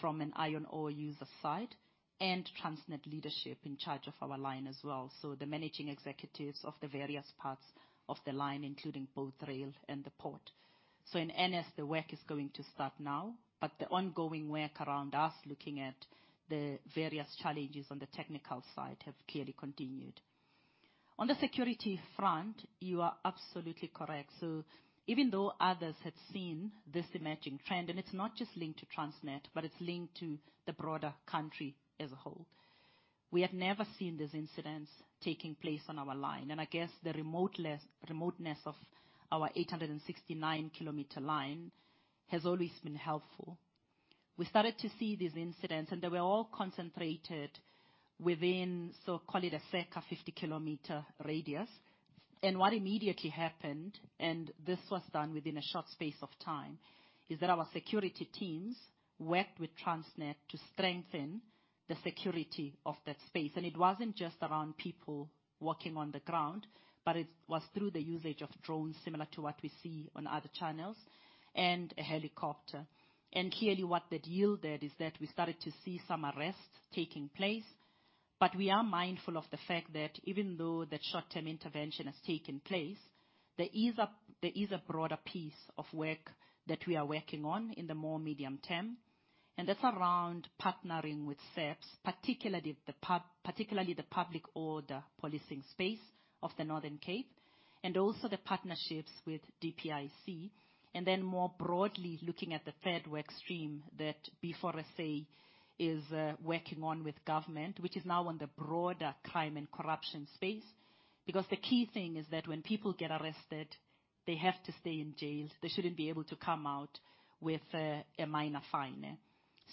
from an iron ore user side and Transnet leadership in charge of our line as well, so the managing executives of the various parts of the line, including both rail and the port. In NS, the work is going to start now, but the ongoing work around us, looking at the various challenges on the technical side, have clearly continued. On the security front, you are absolutely correct. Even though others had seen this emerging trend, and it's not just linked to Transnet, but it's linked to the broader country as a whole, we had never seen these incidents taking place on our line, and I guess the remoteness of our 869 km line has always been helpful. We started to see these incidents. They were all concentrated within, so call it a circa 50 km radius. What immediately happened, and this was done within a short space of time, is that our security teams worked with Transnet to strengthen the security of that space. It wasn't just around people walking on the ground, but it was through the usage of drones, similar to what we see on other channels, and a helicopter. Clearly, what that yielded is that we started to see some arrests taking place. We are mindful of the fact that even though that short-term intervention has taken place, there is a broader piece of work that we are working on in the more medium term, that's around partnering with SAPS, particularly the public order policing space of the Northern Cape, and also the partnerships with DTIC. More broadly, looking at the third work stream that B4SA is working on with government, which is now on the broader crime and corruption space. Because the key thing is that when people get arrested, they have to stay in jail. They shouldn't be able to come out with a minor fine.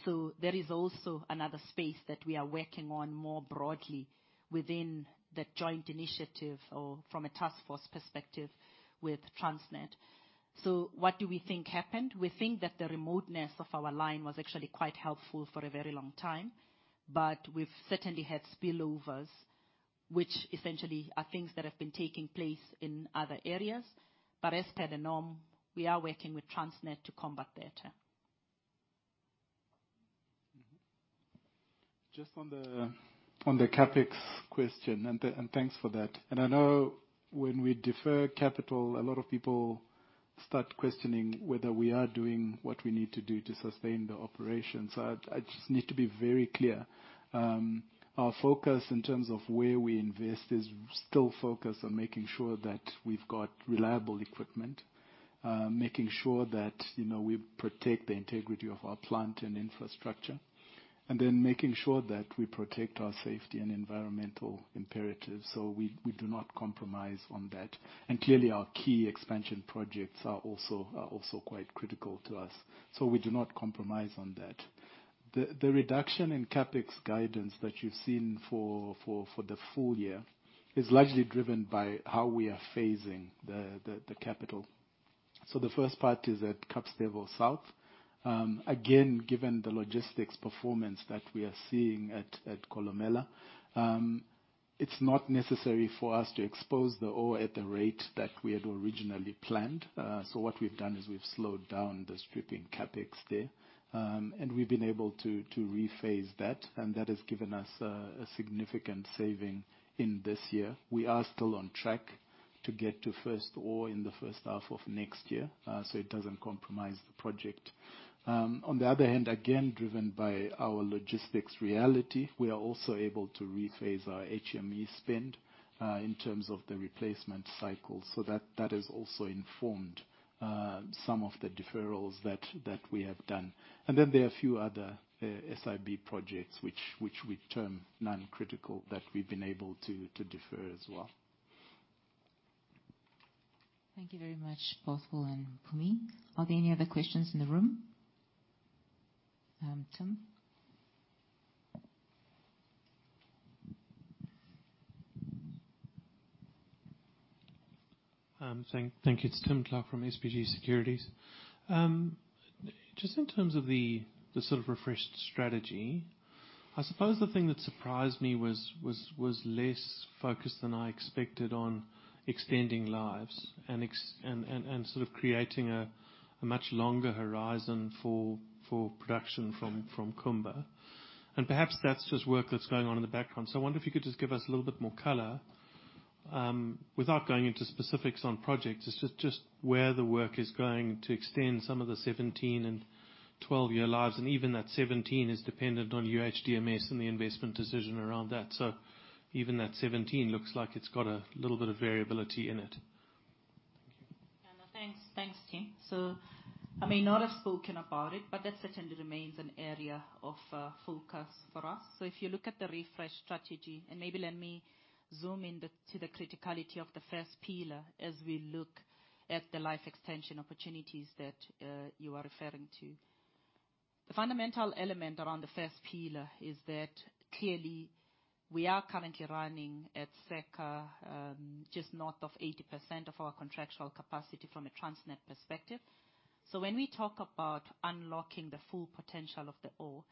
There is also another space that we are working on more broadly within the joint initiative or from a task force perspective with Transnet. What do we think happened? We think that the remoteness of our line was actually quite helpful for a very long time, but we've certainly had spillovers, which essentially are things that have been taking place in other areas. As per the norm, we are working with Transnet to combat that. Just on the CapEx question, thanks for that. I know when we defer capital, a lot of people start questioning whether we are doing what we need to do to sustain the operations. I just need to be very clear. Our focus in terms of where we invest, is still focused on making sure that we've got reliable equipment, making sure that, you know, we protect the integrity of our plant and infrastructure, and then making sure that we protect our safety and environmental imperatives, so we do not compromise on that. Clearly, our key expansion projects are also quite critical to us, so we do not compromise on that. The reduction in CapEx guidance that you've seen for the full year is largely driven by how we are phasing the capital. The first part is at Kapstevel South. Again, given the logistics performance that we are seeing at Kolomela, it's not necessary for us to expose the ore at the rate that we had originally planned. What we've done, is we've slowed down the stripping CapEx there. We've been able to rephase that, and that has given us a significant saving in this year. We are still on track to get to first ore in the H1 of next year, it doesn't compromise the project. On the other hand, again, driven by our logistics reality, we are also able to rephase our HME spend in terms of the replacement cycle. That has also informed some of the deferrals that we have done. There are a few other SIB projects, which we term non-critical, that we've been able to defer as well. Thank you very much, both Bothwell and Mpumi. Are there any other questions in the room? Tim? Thank you. It's Tim Clark from SBG Securities. Just in terms of the sort of refreshed strategy, I suppose the thing that surprised me was less focused than I expected on extending lives and sort of creating a much longer horizon for production from Kumba. Perhaps that's just work that's going on in the background. I wonder if you could just give us a little bit more color, without going into specifics on projects, just where the work is going to extend some of the 17 and 12-year lives, and even that 17 is dependent on UHDMS and the investment decision around that. Even that 17 looks like it's got a little bit of variability in it. Thank you. Thanks. Thanks, Tim. I may not have spoken about it, but that certainly remains an area of focus for us. If you look at the refresh strategy, maybe let me zoom in to the criticality of the first pillar as we look at the life extension opportunities that you are referring to. The fundamental element around the first pillar is that clearly we are currently running at Seka, just north of 80% of our contractual capacity from a Transnet perspective. When we talk about unlocking the full potential of the ore,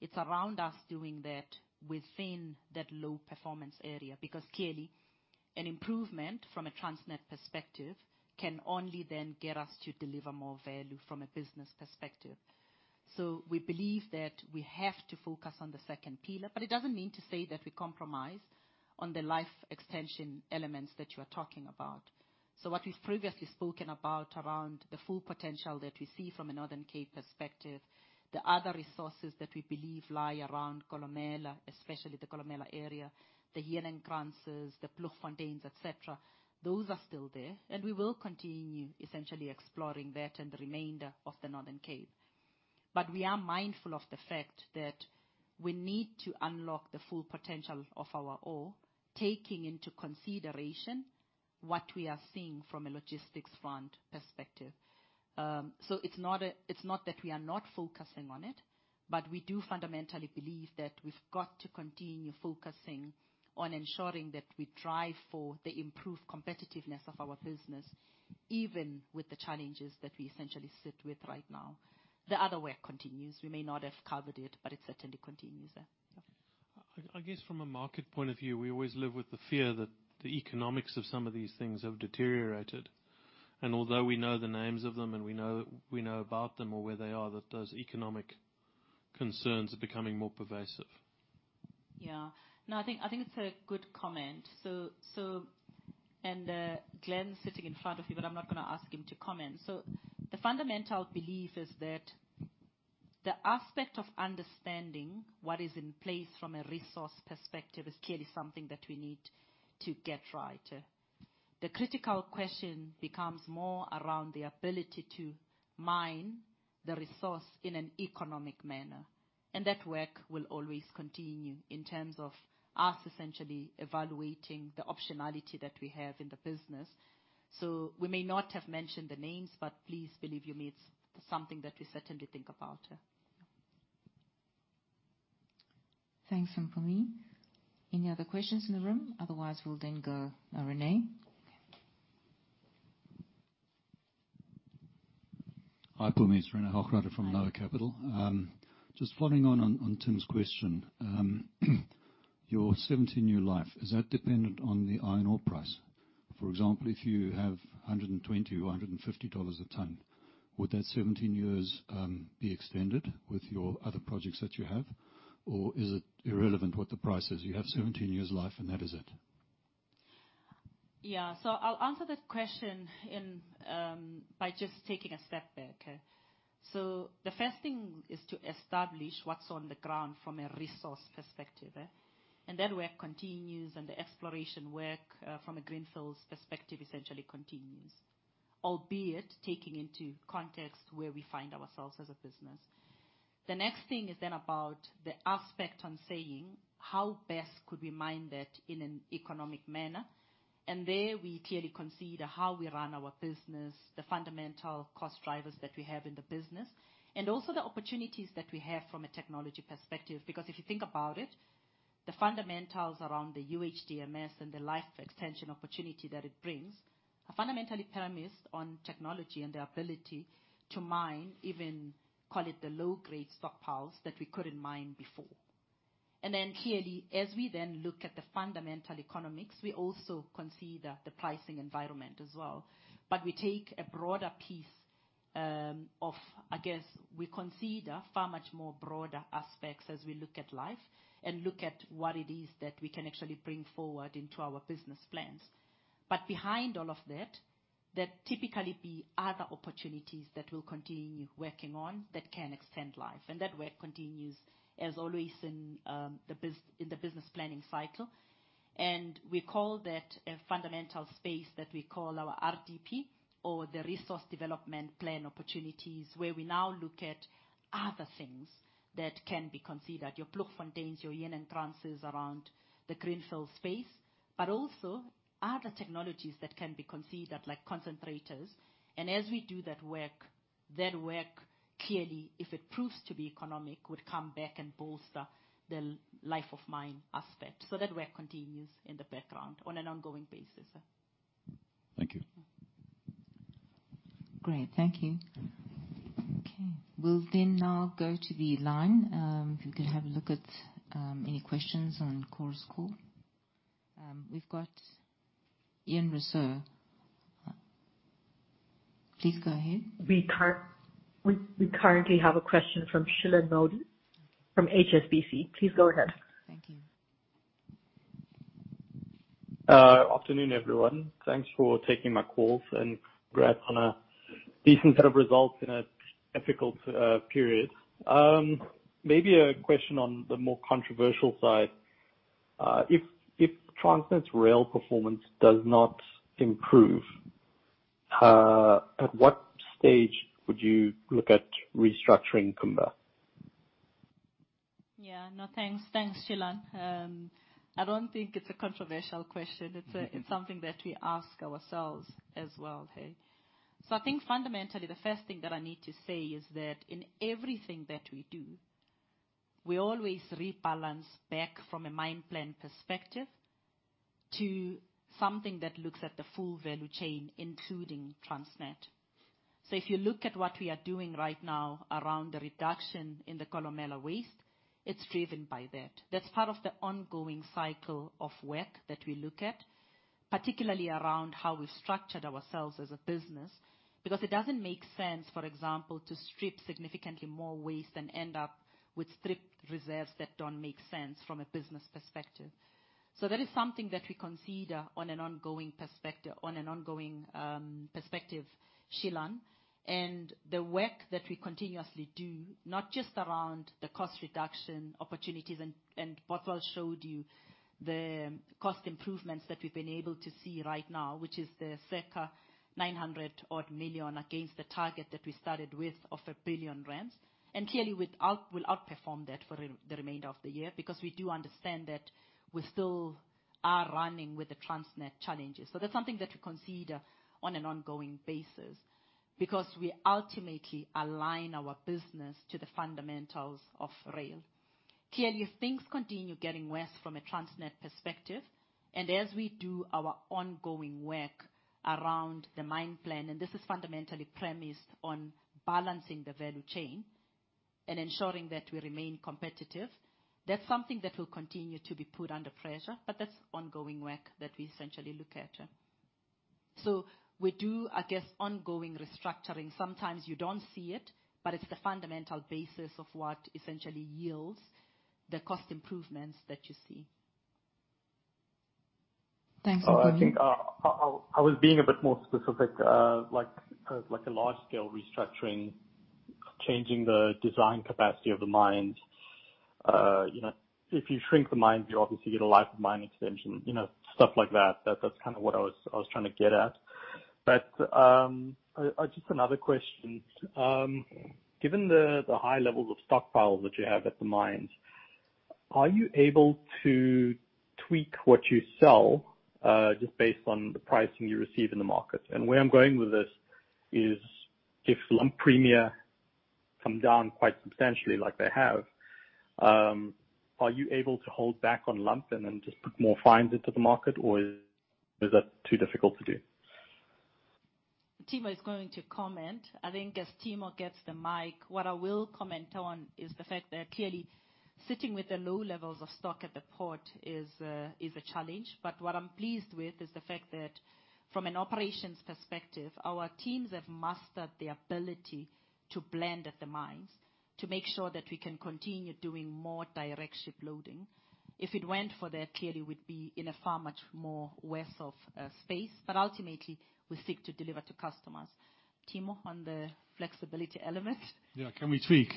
it's around us doing that within that low performance area. Clearly, an improvement from a Transnet perspective can only then get us to deliver more value from a business perspective. We believe that we have to focus on the second pillar, but it doesn't mean to say that we compromise on the life extension elements that you are talking about. What we've previously spoken about around the full potential that we see from a Northern Cape perspective, the other resources that we believe lie around Kolomela, especially the Kolomela area, the Heuningkranz, the Ploegfontein, et cetera, those are still there, and we will continue essentially exploring that and the remainder of the Northern Cape. We are mindful of the fact that we need to unlock the full potential of our ore, taking into consideration what we are seeing from a logistics front perspective. It's not that we are not focusing on it, but we do fundamentally believe that we've got to continue focusing on ensuring that we drive for the improved competitiveness of our business, even with the challenges that we essentially sit with right now. The other work continues. We may not have covered it, but it certainly continues, yeah. I guess from a market point of view, we always live with the fear that the economics of some of these things have deteriorated. Although we know the names of them, we know about them or where they are, that those economic concerns are becoming more pervasive. Yeah. No, I think it's a good comment. Glenn's sitting in front of you, but I'm not gonna ask him to comment. The fundamental belief is that the aspect of understanding what is in place from a resource perspective is clearly something that we need to get right. The critical question becomes more around the ability to mine the resource in an economic manner, and that work will always continue in terms of us essentially evaluating the optionality that we have in the business. We may not have mentioned the names, but please believe you me, it's something that we certainly think about. Thanks, Mpumi. Any other questions in the room? We'll then go, René. Hi, Mpumi. It's René Hochreiter from NOAH Capital. Just following on Tim's question. Your 17-year life, is that dependent on the iron ore price? For example, if you have $120 or $150 a ton, would that 17 years be extended with your other projects that you have? Is it irrelevant what the price is, you have 17 years life, and that is it? I'll answer that question in by just taking a step back. The first thing is to establish what's on the ground from a resource perspective, and that work continues, and the exploration work from a greenfields perspective essentially continues, albeit taking into context where we find ourselves as a business. The next thing is about the aspect on saying, how best could we mine that in an economic manner? There we clearly consider how we run our business, the fundamental cost drivers that we have in the business, and also the opportunities that we have from a technology perspective. If you think about it, the fundamentals around the UHDMS and the life extension opportunity that it brings, are fundamentally premised on technology and the ability to mine, even call it the low-grade stockpiles that we couldn't mine before. Clearly, as we then look at the fundamental economics, we also consider the pricing environment as well. We take a broader piece, of I guess, we consider far much more broader aspects as we look at life and look at what it is that we can actually bring forward into our business plans. Behind all of that, there'd typically be other opportunities that we'll continue working on that can extend life, and that work continues as always in the business planning cycle. We call that a fundamental space that we call our RDP or the Resource Development Plan opportunities, where we now look at other things that can be considered, your plug fountains, your entrances around the greenfield space, but also other technologies that can be considered, like concentrators. As we do that work, that work clearly, if it proves to be economic, would come back and bolster the life of mine aspect. That work continues in the background on an ongoing basis. Thank you. Great. Thank you. Okay, we'll then now go to the line. If you could have a look at, any questions on Chorus Call. We've got Ian Rossouw. Please go ahead. We currently have a question from Shilan Modi, from HSBC. Please go ahead. Thank you. Afternoon, everyone. Thanks for taking my call. Congrats on a decent set of results in a difficult period. Maybe a question on the more controversial side. If Transnet's rail performance does not improve, at what stage would you look at restructuring Kumba? Yeah. No, thanks. Thanks, Shilan. I don't think it's a controversial question. Mm-hmm. It's something that we ask ourselves as well, hey. I think fundamentally, the first thing that I need to say is that in everything that we do, we always rebalance back from a mine plan perspective to something that looks at the full value chain, including Transnet. If you look at what we are doing right now around the reduction in the Kolomela waste, it's driven by that. That's part of the ongoing cycle of work that we look at, particularly around how we've structured ourselves as a business, because it doesn't make sense, for example, to strip significantly more waste and end up with stripped reserves that don't make sense from a business perspective. That is something that we consider on an ongoing perspective, Shilan. The work that we continuously do, not just around the cost reduction opportunities, and Bothwell showed you the cost improvements that we've been able to see right now, which is the circa 900 million, against the target that we started with of 1 billion rand. Clearly, we'll outperform that for the remainder of the year, because we do understand that we still are running with the Transnet challenges. That's something that we consider on an ongoing basis, because we ultimately align our business to the fundamentals of rail. Clearly, if things continue getting worse from a Transnet perspective, and as we do our ongoing work around the mine plan, and this is fundamentally premised on balancing the value chain. Ensuring that we remain competitive, that's something that will continue to be put under pressure. That's ongoing work that we essentially look at. We do, I guess, ongoing restructuring. Sometimes you don't see it. It's the fundamental basis of what essentially yields the cost improvements that you see. Thanks. I think I was being a bit more specific, like a large-scale restructuring, changing the design capacity of the mine. You know, if you shrink the mine, you obviously get a life of mine extension, you know, stuff like that. That's kind of what I was trying to get at. Just another question. Given the high levels of stockpiles that you have at the mines, are you able to tweak what you sell just based on the pricing you receive in the market? Where I'm going with this is, if lump premium come down quite substantially, like they have, are you able to hold back on lump and then just put more fines into the market, or is that too difficult to do? Timo is going to comment. I think as Timo gets the mic, what I will comment on is the fact that clearly sitting with the low levels of stock at the port is a challenge. What I'm pleased with is the fact that from an operations perspective, our teams have mastered the ability to blend at the mines to make sure that we can continue doing more direct ship loading. If it went for that, clearly we'd be in a far much more worse of space, but ultimately, we seek to deliver to customers. Timo, on the flexibility element? Yeah, can we tweak?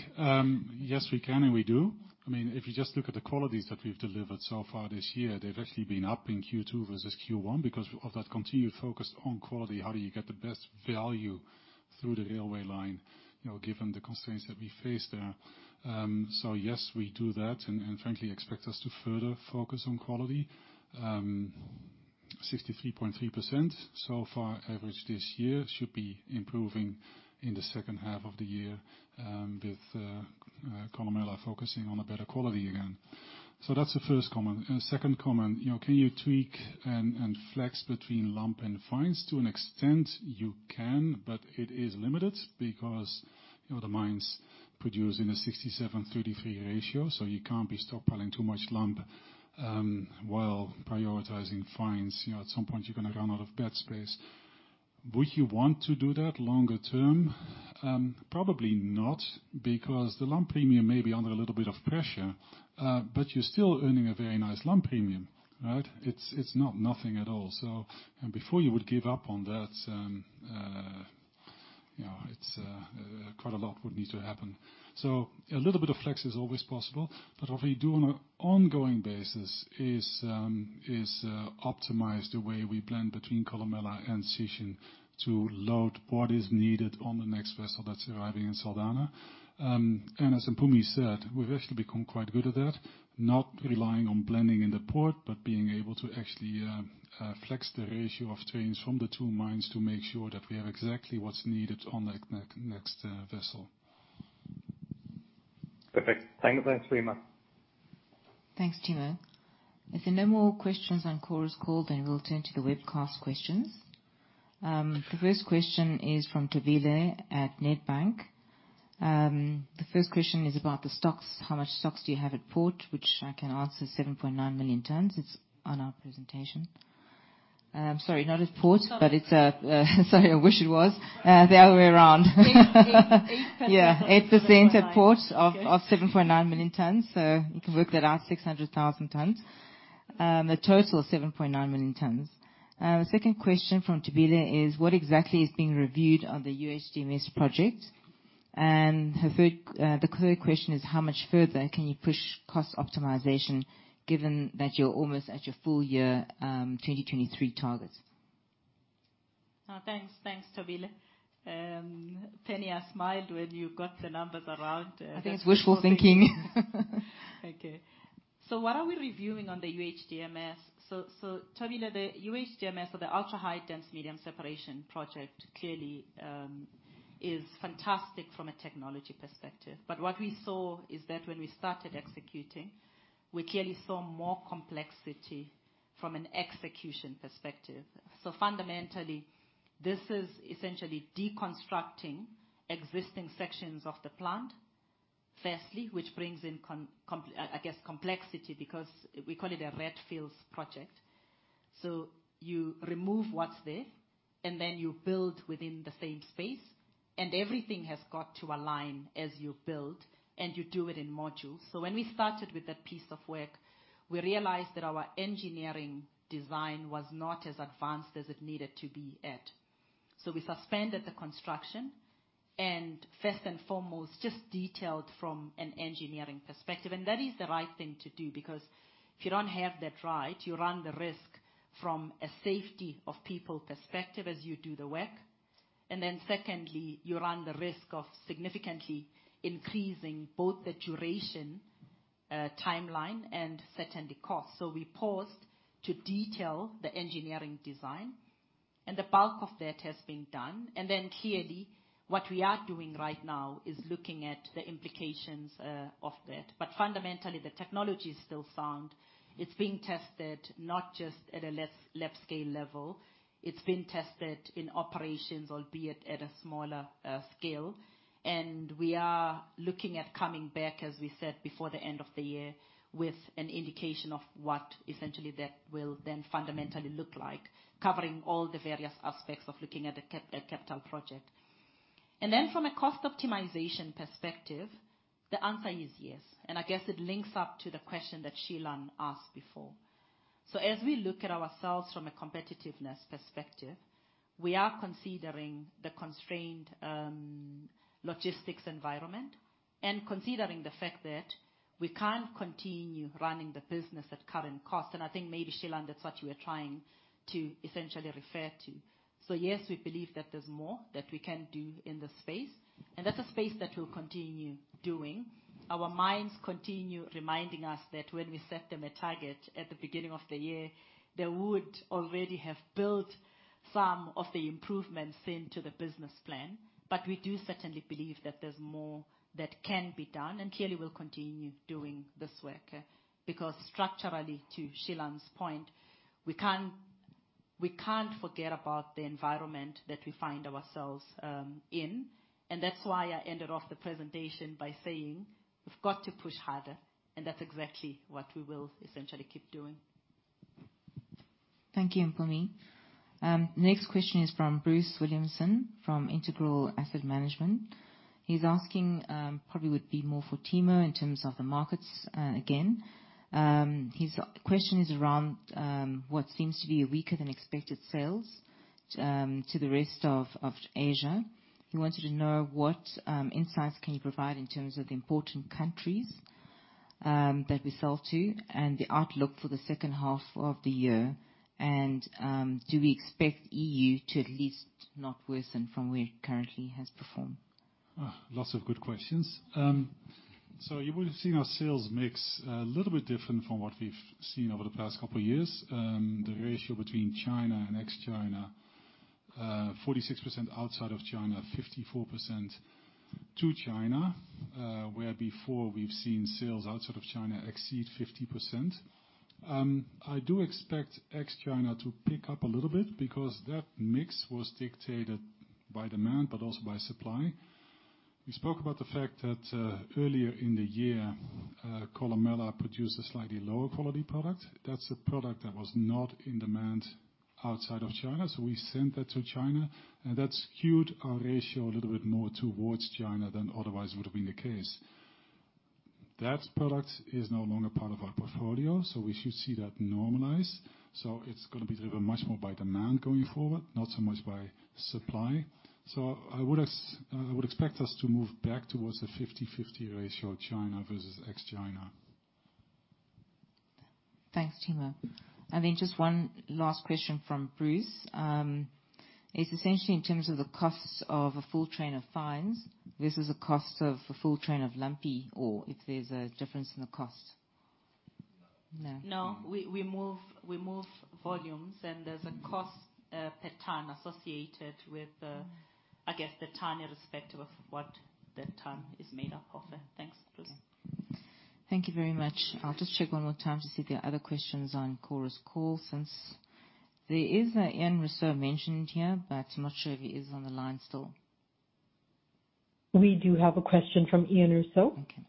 Yes, we can, and we do. I mean, if you just look at the qualities that we've delivered so far this year, they've actually been up in Q2 versus Q1 because of that continued focus on quality. How do you get the best value through the railway line, you know, given the constraints that we face there? So yes, we do that, and frankly, expect us to further focus on quality. 63.3% so far, average this year, should be improving in the H2 of the year, with Kolomela focusing on a better quality again. That's the first comment. The second comment, you know, can you tweak and flex between lump and fines? To an extent, you can, but it is limited because, you know, the mines produce in a 67/33 ratio, so you can't be stockpiling too much lump, while prioritizing fines. You know, at some point you're gonna run out of bed space. Would you want to do that longer term? Probably not, because the lump premium may be under a little bit of pressure, but you're still earning a very nice lump premium, right? It's, it's not nothing at all. Before you would give up on that, you know, it's quite a lot would need to happen. A little bit of flex is always possible, but what we do on an ongoing basis is optimize the way we plan between Kolomela and Sishen to load what is needed on the next vessel that's arriving in Saldanha. As Mpumi said, we've actually become quite good at that, not relying on blending in the port, but being able to actually flex the ratio of trains from the two mines to make sure that we have exactly what's needed on the next vessel. Perfect. Thank you for that Timo. Thanks, Timo. If there are no more questions on Chorus Call, we'll turn to the webcast questions. The first question is from Thobela at Nedbank. The first question is about the stocks. How much stocks do you have at port? Which I can answer, 7.9 million tons. It's on our presentation. Sorry, not at port, but sorry, I wish it was the other way around. 8, 8%. Yeah, 8% at port of 7.9 million tons. You can work that out, 600,000 tons, a total of 7.9 million tons. The second question from Thobela is: What exactly is being reviewed on the UHDMS project? Her third question is: How much further can you push cost optimization, given that you're almost at your full year 2023 targets? Thanks. Thanks, Thobela. Penny, I smiled when you got the numbers around. I think it's wishful thinking. Okay. What are we reviewing on the UHDMS? Thobela, the UHDMS, or the ultra-high dense medium separation project, clearly is fantastic from a technology perspective. What we saw is that when we started executing, we clearly saw more complexity from an execution perspective. Fundamentally, this is essentially deconstructing existing sections of the plant, firstly, which brings in I guess, complexity, because we call it a brownfields project. You remove what's there, and then you build within the same space, and everything has got to align as you build, and you do it in modules. When we started with that piece of work, we realized that our engineering design was not as advanced as it needed to be at, so we suspended the construction, and first and foremost, just detailed from an engineering perspective. That is the right thing to do, because if you don't have that right, you run the risk from a safety of people perspective as you do the work. Secondly, you run the risk of significantly increasing both the duration, timeline and certainly cost. We paused to detail the engineering design, and the bulk of that has been done. Clearly, what we are doing right now is looking at the implications of that. Fundamentally, the technology is still sound. It's being tested not just at a less lab scale level. It's been tested in operations, albeit at a smaller scale. We are looking at coming back, as we said, before the end of the year, with an indication of what essentially that will then fundamentally look like, covering all the various aspects of looking at a capital project. From a cost optimization perspective, the answer is yes. I guess it links up to the question that Sheila asked before. As we look at ourselves from a competitiveness perspective, we are considering the constrained logistics environment and considering the fact that we can't continue running the business at current costs. I think maybe, Shilan, that's what you are trying to essentially refer to. Yes, we believe that there's more that we can do in this space, and that's a space that we'll continue doing. Our minds continue reminding us that when we set them a target at the beginning of the year, they would already have built some of the improvements into the business plan. We do certainly believe that there's more that can be done, and clearly, we'll continue doing this work. Structurally, to Shilan's point, we can't forget about the environment that we find ourselves in. That's why I ended off the presentation by saying, we've got to push harder, and that's exactly what we will essentially keep doing. Thank you, Mpumi. Next question is from Bruce Williamson, from Integral Asset Management. He's asking, probably would be more for Timo in terms of the markets, again. His question is around what seems to be weaker than expected sales to the rest of Asia. He wanted to know what insights can you provide in terms of the important countries that we sell to and the outlook for the H2 of the year? Do we expect E.U. to at least not worsen from where it currently has performed? Lots of good questions. You would have seen our sales mix a little bit different from what we've seen over the past couple of years. The ratio between China and ex-China, 46% outside of China, 54% to China, where before we've seen sales outside of China exceed 50%. I do expect ex-China to pick up a little bit because that mix was dictated by demand, but also by supply. We spoke about the fact that earlier in the year, Kolomela produced a slightly lower quality product. That's a product that was not in demand outside of China, so we sent that to China, that skewed our ratio a little bit more towards China than otherwise would have been the case. That product is no longer part of our portfolio, so we should see that normalize. It's going to be driven much more by demand going forward, not so much by supply. I would expect us to move back towards a 50/50 ratio of China versus ex-China. Thanks, Timo. Just one last question from Bruce. It's essentially in terms of the costs of a full train of fines versus the cost of a full train of lumpy, or if there's a difference in the cost? No. No. We move volumes, and there's a cost per ton associated with, I guess, the ton, irrespective of what that ton is made up of. Thanks, Bruce. Thank you very much. I'll just check one more time to see if there are other questions on Chorus Call, since there is a Ian Rossouw mentioned here, but I'm not sure if he is on the line still. We do have a question from Ian Rossouw. Okay.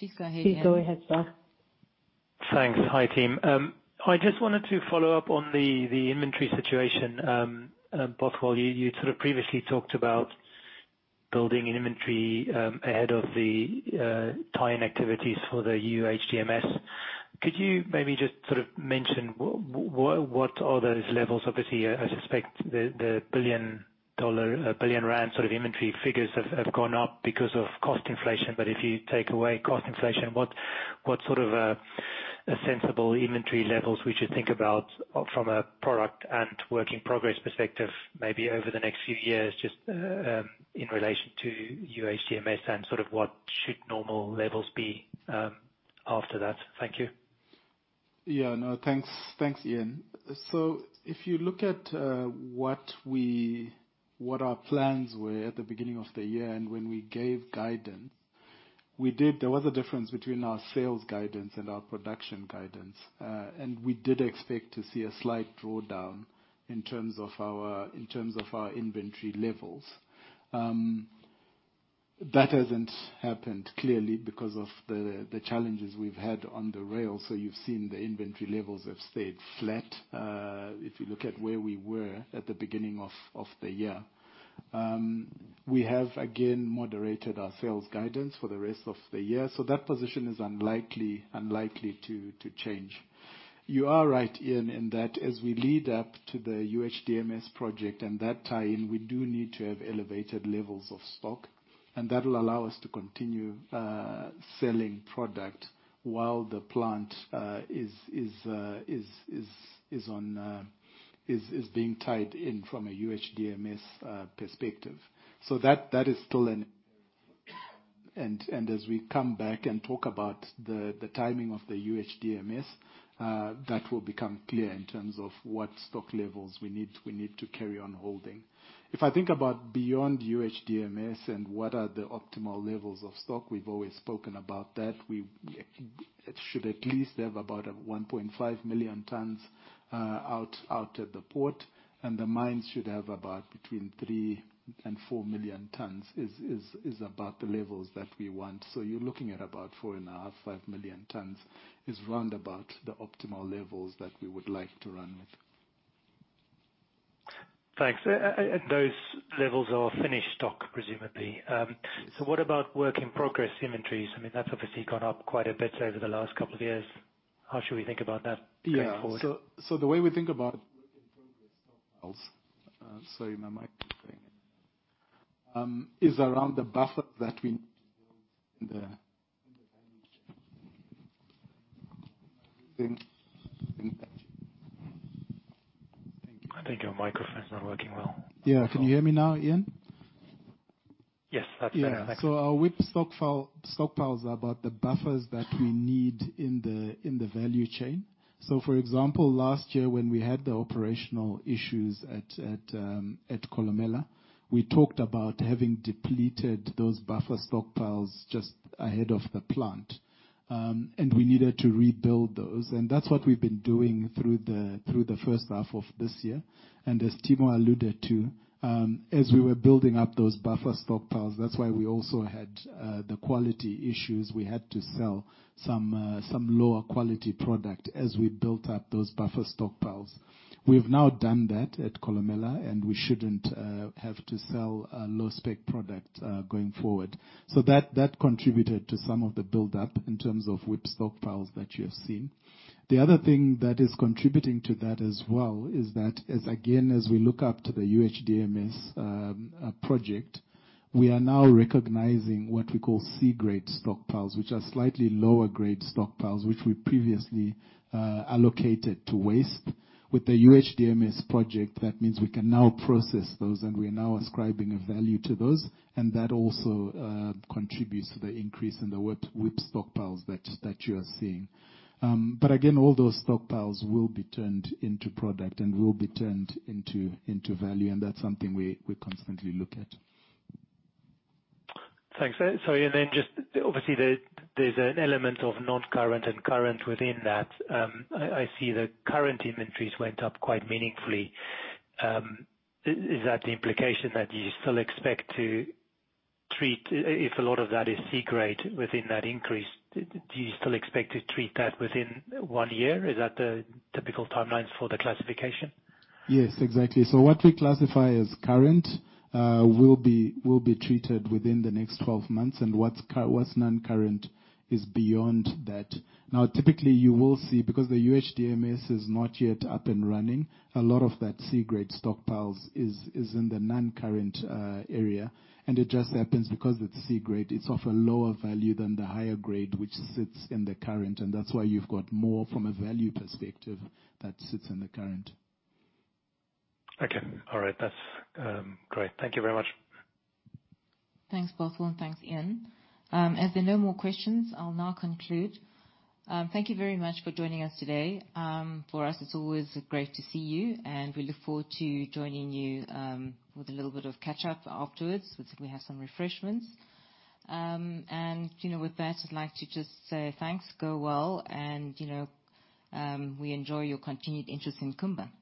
Please go ahead, Ian. Please go ahead, sir. Thanks. Hi, team. I just wanted to follow up on the inventory situation. Bothwell you sort of previously talked about building an inventory ahead of the tie-in activities for the UHDMS. Could you maybe just sort of mention what are those levels? Obviously, I suspect the billiondollar, ZAR 1 billion sort of inventory figures have gone up because of cost inflation. If you take away cost inflation, what sort of a sensible inventory levels we should think about from a product and work in progress perspective, maybe over the next few years, just in relation to UHDMS and sort of what should normal levels be after that? Thank you. No, thanks, Ian. If you look at what our plans were at the beginning of the year, and when we gave guidance, there was a difference between our sales guidance and our production guidance. And we did expect to see a slight drawdown in terms of our inventory levels. That hasn't happened clearly because of the challenges we've had on the rail, so you've seen the inventory levels have stayed flat if you look at where we were at the beginning of the year. We have again moderated our sales guidance for the rest of the year, so that position is unlikely to change. You are right, Ian, in that, as we lead up to the UHDMS project and that tie-in, we do need to have elevated levels of stock, and that will allow us to continue selling product while the plant is being tied in from a UHDMS perspective. That is still. As we come back and talk about the timing of the UHDMS, that will become clear in terms of what stock levels we need to carry on holding. If I think about beyond UHDMS and what are the optimal levels of stock, we've always spoken about that. It should at least have about a 1.5 million tons out at the port, and the mines should have about between 3 million-4 million tons, is about the levels that we want. You're looking at about 4.5 million-5 million tons, is round about the optimal levels that we would like to run with. Thanks. And those levels are finished stock, presumably. What about work in progress inventories? I mean, that's obviously gone up quite a bit over the last couple of years. How should we think about that going forward? Yeah. The way we think about, sorry, my mic, is around the buffer that we build in the. I think your microphone is not working well. Yeah. Can you hear me now, Ian? Yes, that's better. Thank you. Our WIP stockpile, stockpiles are about the buffers that we need in the value chain. For example, last year, when we had the operational issues at Kolomela, we talked about having depleted those buffer stockpiles just ahead of the plant. We needed to rebuild those, and that's what we've been doing through the H1 of this year. As Timo alluded to, as we were building up those buffer stockpiles, that's why we also had the quality issues. We had to sell some lower quality product as we built up those buffer stockpiles. We've now done that at Kolomela, and we shouldn't have to sell a low-spec product going forward. That contributed to some of the build-up in terms of WIP stockpiles that you have seen. The other thing that is contributing to that as well, is that as, again, as we look up to the UHDMS project, we are now recognizing what we call C-grade stockpiles, which are slightly lower grade stockpiles, which we previously allocated to waste. With the UHDMS project, that means we can now process those, and we are now ascribing a value to those, and that also contributes to the increase in the WIP stockpiles that you are seeing. Again, all those stockpiles will be turned into product and will be turned into value, and that's something we constantly look at. Thanks. Sorry, then just obviously, there's an element of noncurrent and current within that. I see the current inventories went up quite meaningfully. Is that the implication that you still expect to treat? If a lot of that is C-grade within that increase, do you still expect to treat that within one year? Is that the typical timelines for the classification? Yes, exactly. What we classify as current will be treated within the next 12 months. What's noncurrent is beyond that. Typically, you will see, because the UHDMS is not yet up and running, a lot of that C-grade stockpiles is in the noncurrent area. It just happens because it's C-grade, it's of a lower value than the higher grade, which sits in the current, and that's why you've got more from a value perspective, that sits in the current. Okay. All right. That's great. Thank you very much. Thanks Bothwell and, thanks Ian. As there are no more questions, I'll now conclude. Thank you very much for joining us today. For us, it's always great to see you, and we look forward to joining you with a little bit of catch-up afterwards, once we have some refreshments. You know, with that, I'd like to just say thanks, go well, and, you know, we enjoy your continued interest in Kumba.